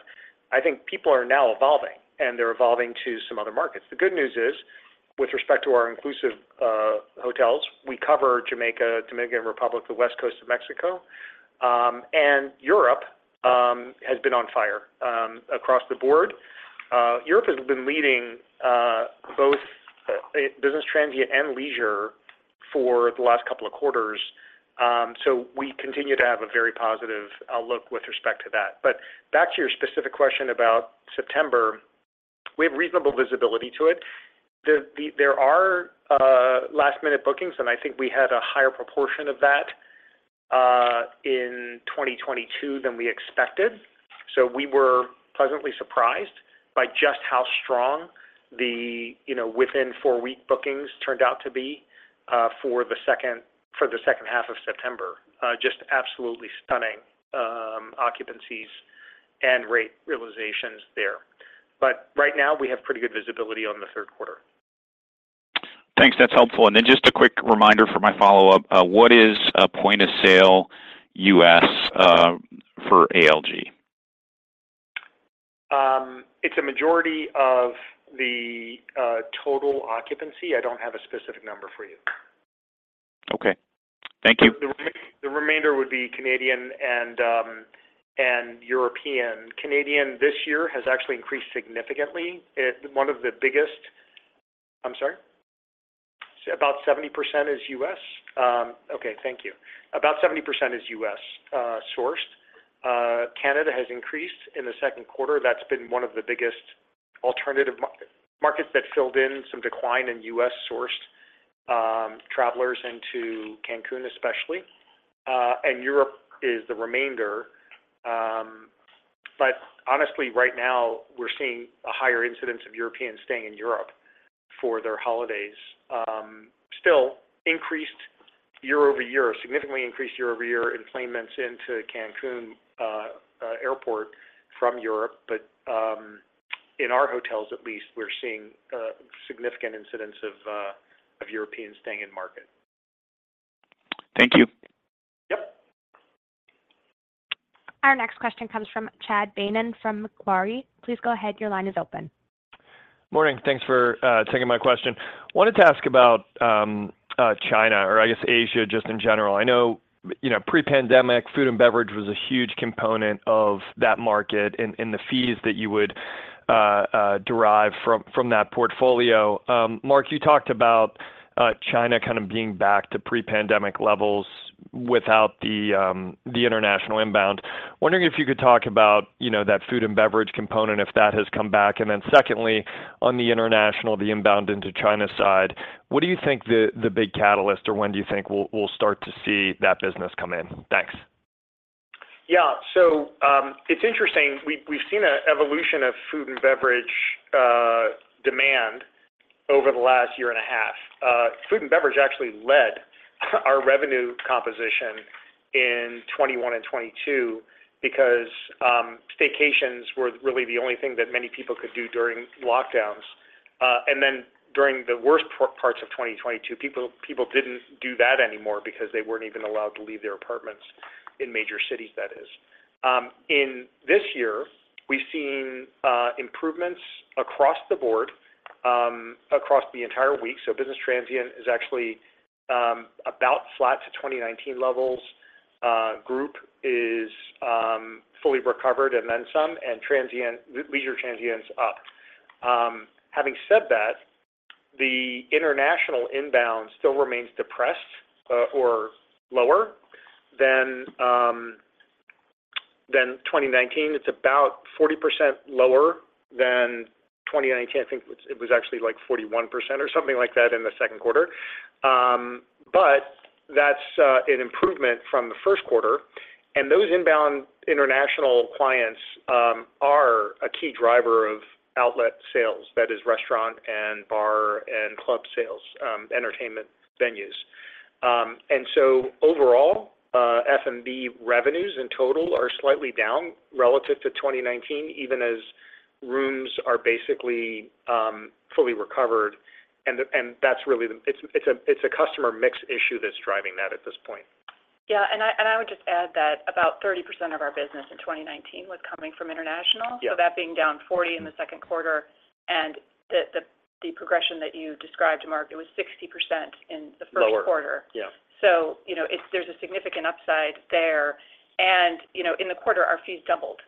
I think people are now evolving, and they're evolving to some other markets. The good news is, with respect to our inclusive hotels, we cover Jamaica, Dominican Republic, the West Coast of Mexico, and Europe has been on fire across the board. Europe has been leading both business transient and leisure for the last couple of quarters. We continue to have a very positive outlook with respect to that. Back to your specific question about September, we have reasonable visibility to it. There are last-minute bookings, and I think we had a higher proportion of that in 2022 than we expected. We were pleasantly surprised by just how strong the, you know, within four-week bookings turned out to be for the second, for the second half of September. Just absolutely stunning, occupancies and rate realizations there. Right now, we have pretty good visibility on the third quarter. Thanks. That's helpful. Then just a quick reminder for my follow-up, what is a point-of-sale U.S., for ALG? It's a majority of the total occupancy. I don't have a specific number for you. Okay. Thank you. The, the, the remainder would be Canadian and European. Canadian, this year, has actually increased significantly. About 70% is U.S. Okay, thank you. About 70% is U.S. sourced. Canada has increased in the second quarter. That's been one of the biggest alternative markets that filled in some decline in U.S.-sourced travelers into Cancun, especially, and Europe is the remainder. Honestly, right now, we're seeing a higher incidence of Europeans staying in Europe for their holidays. Still increased year-over-year, significantly increased year-over-year, enplanements into Cancun Airport from Europe. In our hotels, at least, we're seeing a significant incidence of Europeans staying in market. Thank you. Yep. Our next question comes from Chad Beynon from Macquarie. Please go ahead. Your line is open. Morning. Thanks for taking my question. Wanted to ask about China, or I guess Asia, just in general. I know, you know, pre-pandemic, food and beverage was a huge component of that market and, and the fees that you would derive from, from that portfolio. Mark, you talked about China kind of being back to pre-pandemic levels without the international inbound. Wondering if you could talk about, you know, that food and beverage component, if that has come back. Secondly, on the international, the inbound into China side, what do you think the, the big catalyst, or when do you think we'll, we'll start to see that business come in? Thanks. Yeah. It's interesting. We've seen an evolution of food and beverage demand over the last year and a half. Food and beverage actually led our revenue composition in '21 and '22 because staycations were really the only thing that many people could do during lockdowns. Then during the worst parts of 2022, people didn't do that anymore because they weren't even allowed to leave their apartments in major cities, that is. In this year, we've seen improvements across the board, across the entire week. Business transient is actually about flat to 2019 levels. Group is fully recovered and then some, and transient, leisure transient is up. Having said that, the international inbound still remains depressed, or lower than 2019. It's about 40% lower than 2019. I think it was actually, like, 41% or something like that in the second quarter. But that's an improvement from the first quarter, and those inbound international clients are a key driver of outlet sales, that is, restaurant and bar and club sales, entertainment venues. So overall, F&B revenues in total are slightly down relative to 2019, even as rooms are basically fully recovered. That's really a customer mix issue that's driving that at this point. Yeah, and I would just add that about 30% of our business in 2019 was coming from international. That being down 40 in the second quarter, and the progression that you described, Mark, it was 60% in the first quarter. Lower. Yeah. you know, there's a significant upside there. you know, in the quarter, our fees doubled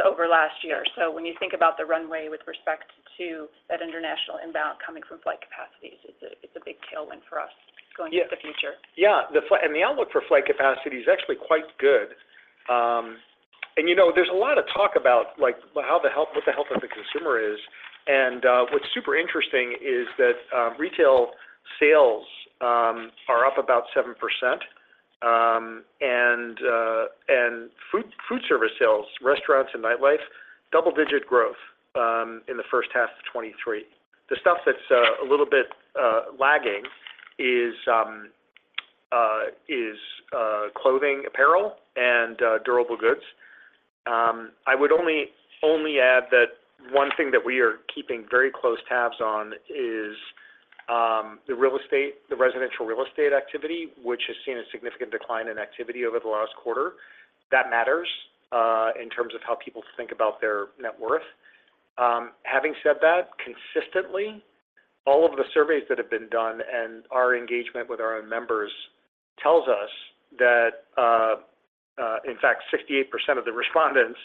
so over last year. When you think about the runway with respect to that international inbound coming from flight capacities, it's a, it's a big tailwind for us going into the future. Yeah. The fly- and the outlook for flight capacity is actually quite good. You know, there's a lot of talk about, like, how the health, what the health of the consumer is. What's super interesting is that, retail sales, are up about 7%, and, and food, food service sales, restaurants and nightlife, double-digit growth, in the first half of 2023. The stuff that's, a little bit, lagging is, is, clothing, apparel, and, durable goods. I would only, only add that one thing that we are keeping very close tabs on is, the real estate, the residential real estate activity, which has seen a significant decline in activity over the last quarter. That matters, in terms of how people think about their net worth. Having said that, consistently, all of the surveys that have been done and our engagement with our own members tells us that, in fact, 68% of the respondents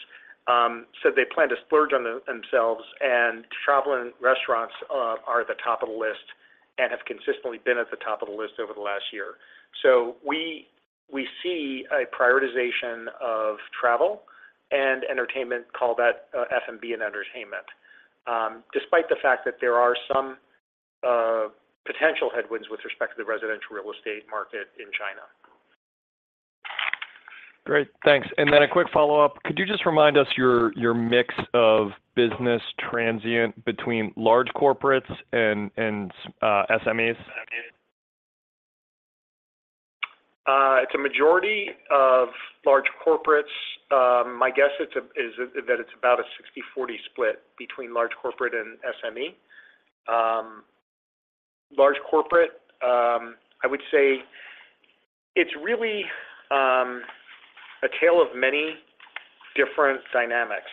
said they plan to splurge on the- themselves, and travel and restaurants are at the top of the list and have consistently been at the top of the list over the last year. We, we see a prioritization of travel and entertainment, call that, F&B and entertainment, despite the fact that there are some potential headwinds with respect to the residential real estate market in China. Great, thanks. Then a quick follow-up: could you just remind us your, your mix of business transient between large corporates and, and, SMEs? It's a majority of large corporates. My guess is that it's about a 60/40 split between large corporate and SME. Large corporate, I would say it's really a tale of many different dynamics.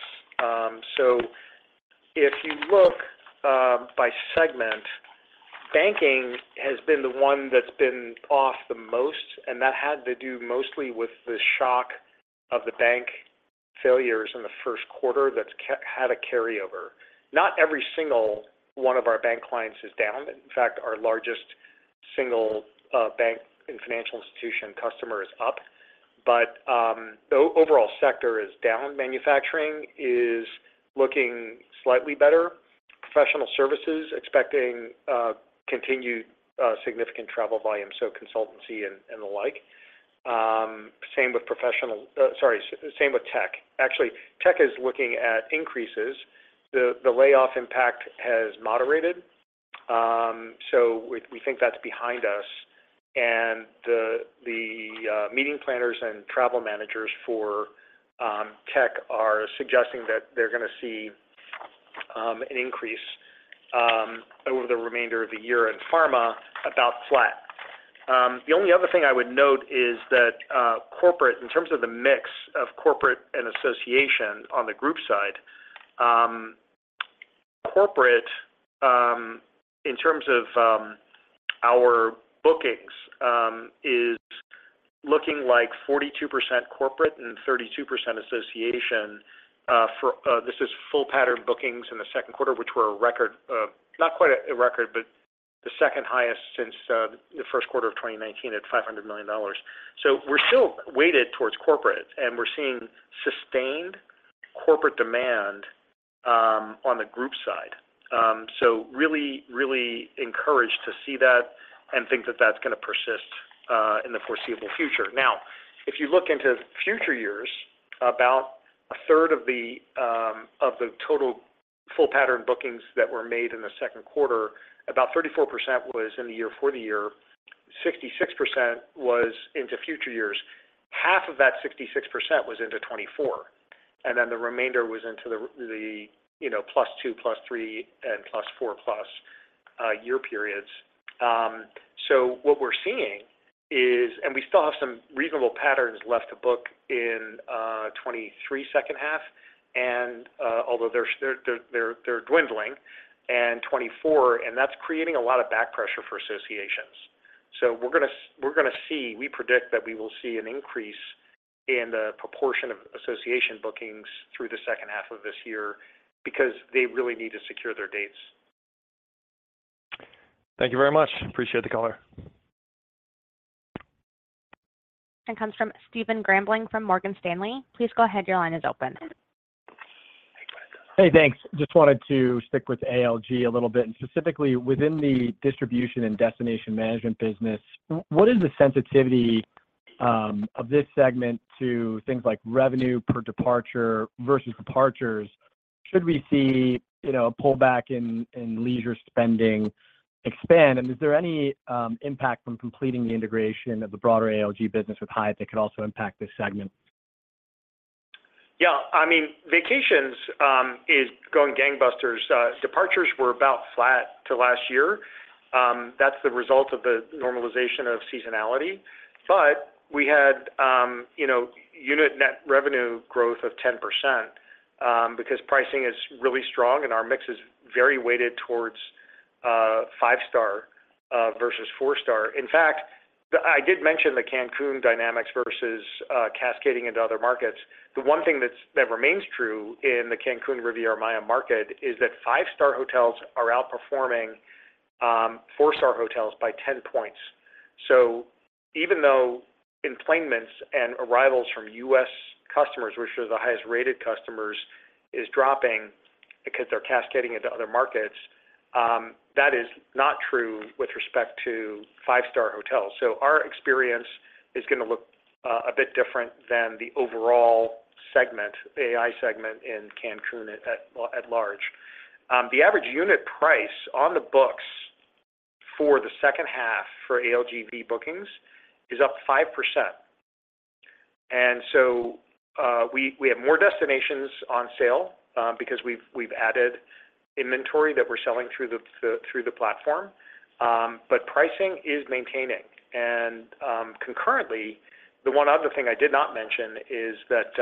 If you look by segment, banking has been the one that's been off the most, and that had to do mostly with the shock of the bank failures in the first quarter that's had a carryover. Not every single one of our bank clients is down. In fact, our largest single bank and financial institution customer is up, but the overall sector is down. Manufacturing is looking slightly better. Professional services expecting continued significant travel volume, so consultancy and, and the like. Same with professional. Sorry, same with tech. Actually, tech is looking at increases. The, the layoff impact has moderated, so we, we think that's behind us. The, the meeting planners and travel managers for tech are suggesting that they're gonna see an increase over the remainder of the year, and pharma, about flat. The only other thing I would note is that corporate, in terms of the mix of corporate and association on the group side, corporate, in terms of our bookings, is looking like 42% corporate and 32% association. For this is full pattern bookings in the second quarter, which were a record, not quite a record, but the second highest since the first quarter of 2019 at $500 million. We're still weighted towards corporate, and we're seeing sustained corporate demand on the group side. Really, really encouraged to see that and think that that's gonna persist in the foreseeable future. If you look into future years, about a third of the total full pattern bookings that were made in the second quarter, about 34% was in the year for the year, 66% was into future years. Half of that 66% was into 2024, the remainder was into the, you know, +2, +3, and +4+ year periods. What we're seeing is, we still have some reasonable patterns left to book in 2023, second half, although they're dwindling in 2024, that's creating a lot of back pressure for associations. We predict that we will see an increase in the proportion of association bookings through the second half of this year because they really need to secure their dates. Thank you very much. Appreciate the call. Comes from Stephen Grambling from Morgan Stanley. Please go ahead. Your line is open. Hey, thanks. Just wanted to stick with ALG a little bit, and specifically, within the distribution and destination management business, what is the sensitivity of this segment to things like revenue per departure versus departures? Should we see, you know, a pullback in, in leisure spending expand? Is there any impact from completing the integration of the broader ALG business with Hyatt that could also impact this segment? Yeah, I mean, vacations is going gangbusters. Departures were about flat to last year. That's the result of the normalization of seasonality. We had, you know, unit net revenue growth of 10%, because pricing is really strong and our mix is very weighted towards 5-star versus 4-star. In fact, I did mention the Cancun dynamics versus cascading into other markets. The one thing that's, that remains true in the Cancun Riviera Maya market is that 5-star hotels are outperforming 4-star hotels by 10 points. Even though enplanements and arrivals from U.S. customers, which are the highest-rated customers, is dropping because they're cascading into other markets, that is not true with respect to 5-star hotels. Our experience is gonna look a bit different than the overall segment, AI segment in Cancun at large. The average unit price on the books for the second half for ALGV bookings is up 5%. We have more destinations on sale because we've added inventory that we're selling through the platform. But pricing is maintaining. Concurrently, the one other thing I did not mention is that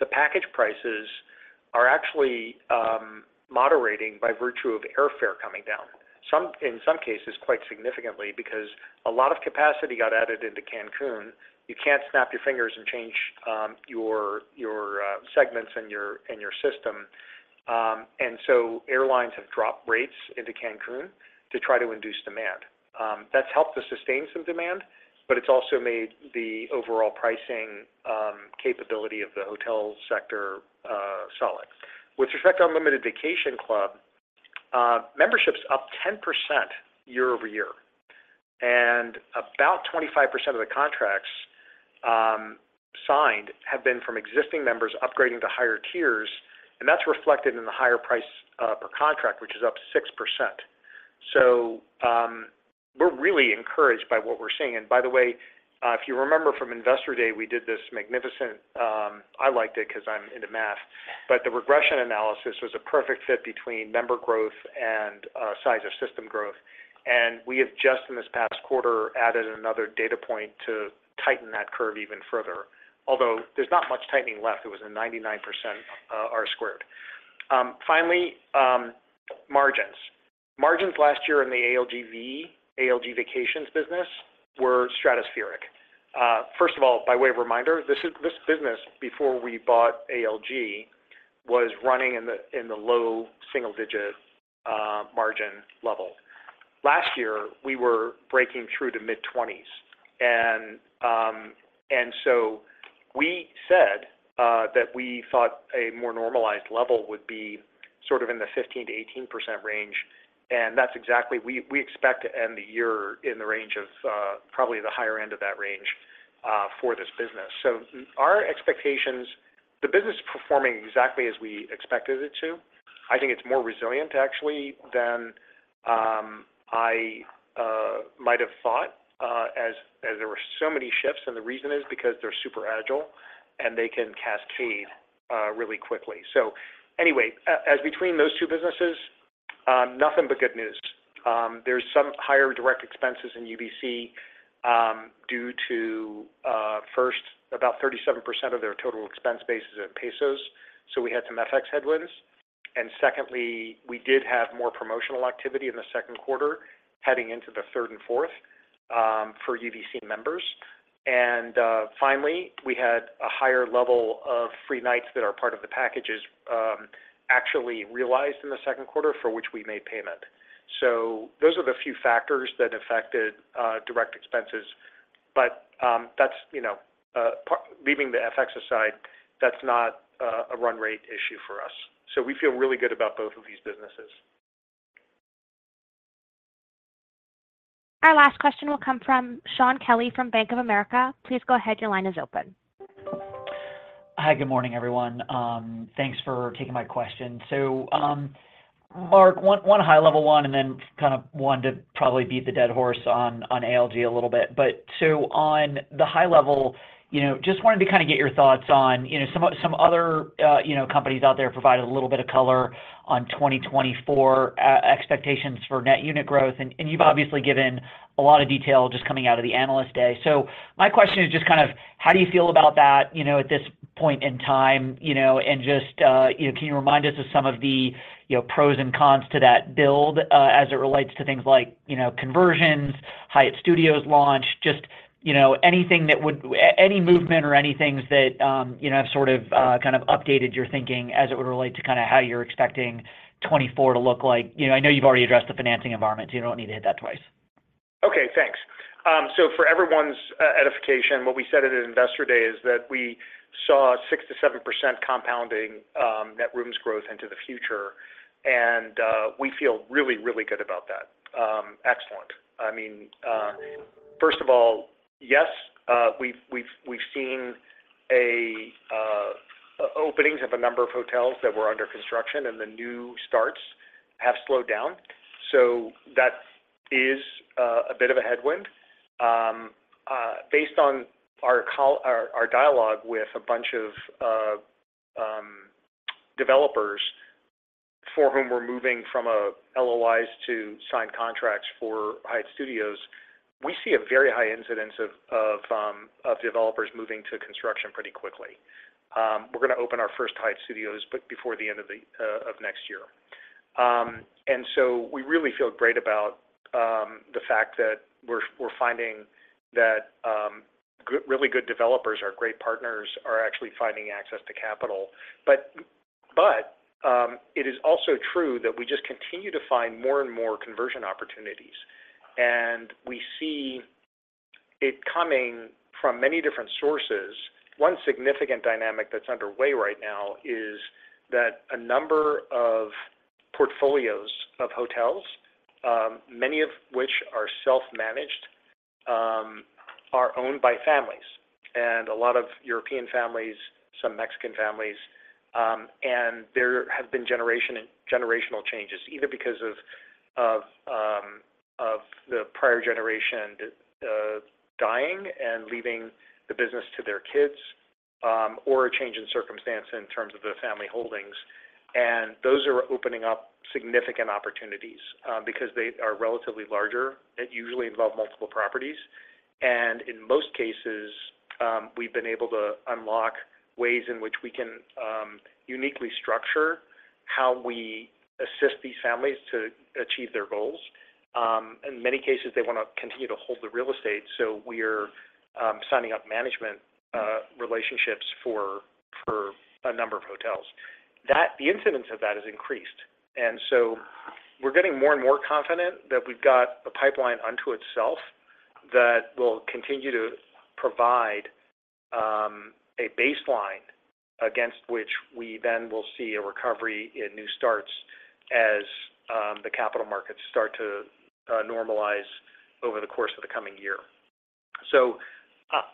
the package prices are actually moderating by virtue of airfare coming down. Some in some cases, quite significantly, because a lot of capacity got added into Cancun. You can't snap your fingers and change your segments and your system. Airlines have dropped rates into Cancun to try to induce demand. That's helped to sustain some demand, but it's also made the overall pricing capability of the hotel sector solid. With respect to Unlimited Vacation Club, membership's up 10% year-over-year, and about 25% of the contracts signed have been from existing members upgrading to higher tiers, and that's reflected in the higher price per contract, which is up 6%. We're really encouraged by what we're seeing. By the way, if you remember from Investor Day, we did this magnificent. I liked it 'cause I'm into math, but the regression analysis was a perfect fit between member growth and size of system growth. We have just, in this past quarter, added another data point to tighten that curve even further. Although there's not much tightening left, it was a 99% R squared. Finally, margins. Margins last year in the ALGV, ALG Vacations business, were stratospheric. First of all, by way of reminder, this business, before we bought ALG, was running in the low single-digit margin level. Last year, we were breaking through to mid-20s%. We said that we thought a more normalized level would be sort of in the 15%-18% range, and that's exactly, we expect to end the year in the range of probably the higher end of that range for this business. Our expectations, the business is performing exactly as we expected it to. I think it's more resilient, actually, than I might have thought as there were so many shifts, and the reason is because they're super agile, and they can cascade really quickly. Anyway, as between those two businesses, nothing but good news. There's some higher direct expenses in UVC, due to, first, about 37% of their total expense base is in pesos, so we had some FX headwinds. Secondly, we did have more promotional activity in the second quarter, heading into the third and fourth, for UVC members. Finally, we had a higher level of free nights that are part of the packages, actually realized in the second quarter, for which we made payment. Those are the few factors that affected direct expenses, but that's, you know, leaving the FX aside, that's not a run rate issue for us. We feel really good about both of these businesses. Our last question will come from Shaun Kelley from Bank of America. Please go ahead. Your line is open. Hi, good morning, everyone. Thanks for taking my question. Mark, one, one high level one, and then kind of one to probably beat the dead horse on, on ALG a little bit. On the high level, you know, just wanted to kind of get your thoughts on, you know, some other companies out there provided a little bit of color on 2024 expectations for net unit growth, and, and you've obviously given a lot of detail just coming out of the Analyst Day. My question is just kind of, how do you feel about that, you know, at this point in time? You know, just, you know, can you remind us of some of the, you know, pros and cons to that build, as it relates to things like, you know, conversions, Hyatt Studios launch, just, you know, anything that would any movement or any things that, you know, have sort of, kind of updated your thinking as it would relate to kind of how you're expecting 2024 to look like? You know, I know you've already addressed the financing environment, so you don't need to hit that twice. Okay, thanks. For everyone's edification, what we said at Investor Day is that we saw 6%-7% compounding net rooms growth into the future, and we feel really, really good about that. Excellent. I mean, first of all, yes, we've, we've, we've seen openings of a number of hotels that were under construction, and the new starts have slowed down. That is a bit of a headwind. Based on our dialogue with a bunch of developers for whom we're moving from LOIs to signed contracts for Hyatt Studios, we see a very high incidence of developers moving to construction pretty quickly. We're going to open our first Hyatt Studios before the end of next year. We really feel great about, the fact that we're, we're finding that, really good developers, our great partners are actually finding access to capital. It is also true that we just continue to find more and more conversion opportunities, and we see it coming from many different sources. One significant dynamic that's underway right now is that a number of portfolios of hotels, many of which are self-managed, are owned by families, a lot of European families, some Mexican families, there have been generational changes. Either because of, of the prior generation, dying and leaving the business to their kids, or a change in circumstance in terms of the family holdings. Those are opening up significant opportunities, because they are relatively larger, they usually involve multiple properties, and in most cases, we've been able to unlock ways in which we can uniquely structure how we assist these families to achieve their goals. In many cases, they want to continue to hold the real estate, so we're signing up management, relationships for a number of hotels. That. The incidence of that has increased, and so we're getting more and more confident that we've got a pipeline unto itself that will continue to provide a baseline against which we then will see a recovery in new starts as the capital markets start to normalize over the course of the coming year.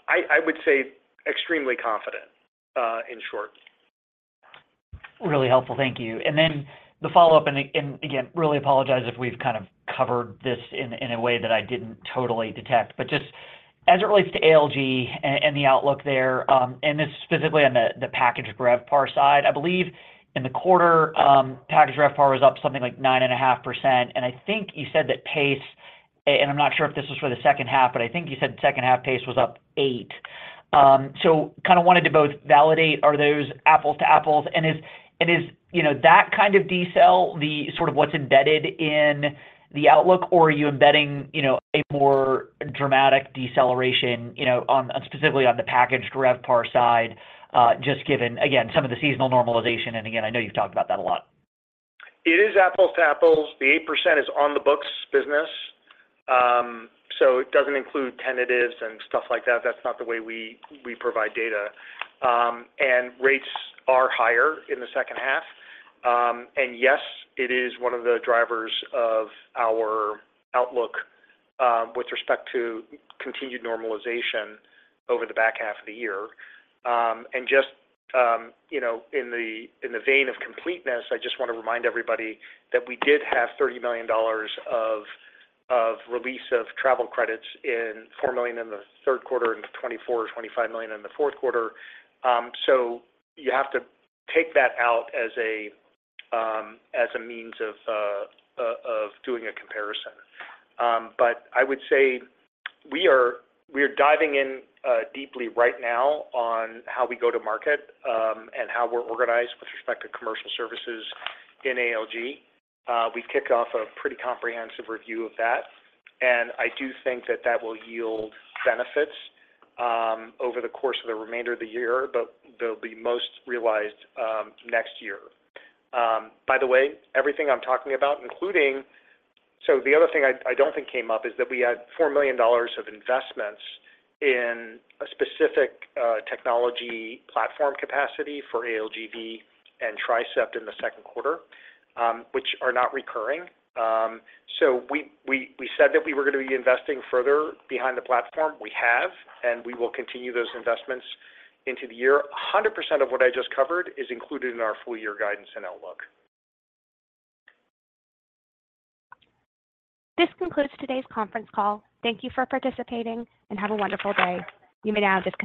I, I would say extremely confident, in short. Then the follow-up, and again, really apologize if we've kind of covered this in, in a way that I didn't totally detect. Just as it relates to ALG and, and the outlook there, and this is specifically on the, the packaged RevPAR side. I believe in the quarter, packaged RevPAR was up something like 9.5%, and I think you said that pace, and I'm not sure if this was for the second half, but I think you said second half pace was up 8%. Kind of wanted to both validate, are those apples to apples? Is, and is, you know, that kind of decel, the sort of what's embedded in the outlook, or are you embedding, you know, a more dramatic deceleration, you know, on, specifically on the packaged RevPAR side, just given, again, some of the seasonal normalization? Again, I know you've talked about that a lot. It is apples to apples. The 8% is on the books business, so it doesn't include tentatives and stuff like that. That's not the way we, we provide data. Rates are higher in the second half. Yes, it is one of the drivers of our outlook, with respect to continued normalization over the back half of the year. Just, you know, in the, in the vein of completeness, I just want to remind everybody that we did have $30 million of, of release of travel credits in $4 million in the third quarter and $24 million or $25 million in the fourth quarter. You have to take that out as a, as a means of, of, of doing a comparison. I would say we are, we are diving in deeply right now on how we go to market, and how we're organized with respect to commercial services in ALG. We kicked off a pretty comprehensive review of that, I do think that that will yield benefits over the course of the remainder of the year, they'll be most realized next year. By the way, everything I'm talking about, including the other thing I, I don't think came up is that we had $4 million of investments in a specific technology platform capacity for ALGV and Trisept in the second quarter, which are not recurring. We, we, we said that we were going to be investing further behind the platform. We have, we will continue those investments into the year. 100% of what I just covered is included in our full year guidance and outlook. This concludes today's conference call. Thank you for participating, and have a wonderful day. You may now disconnect.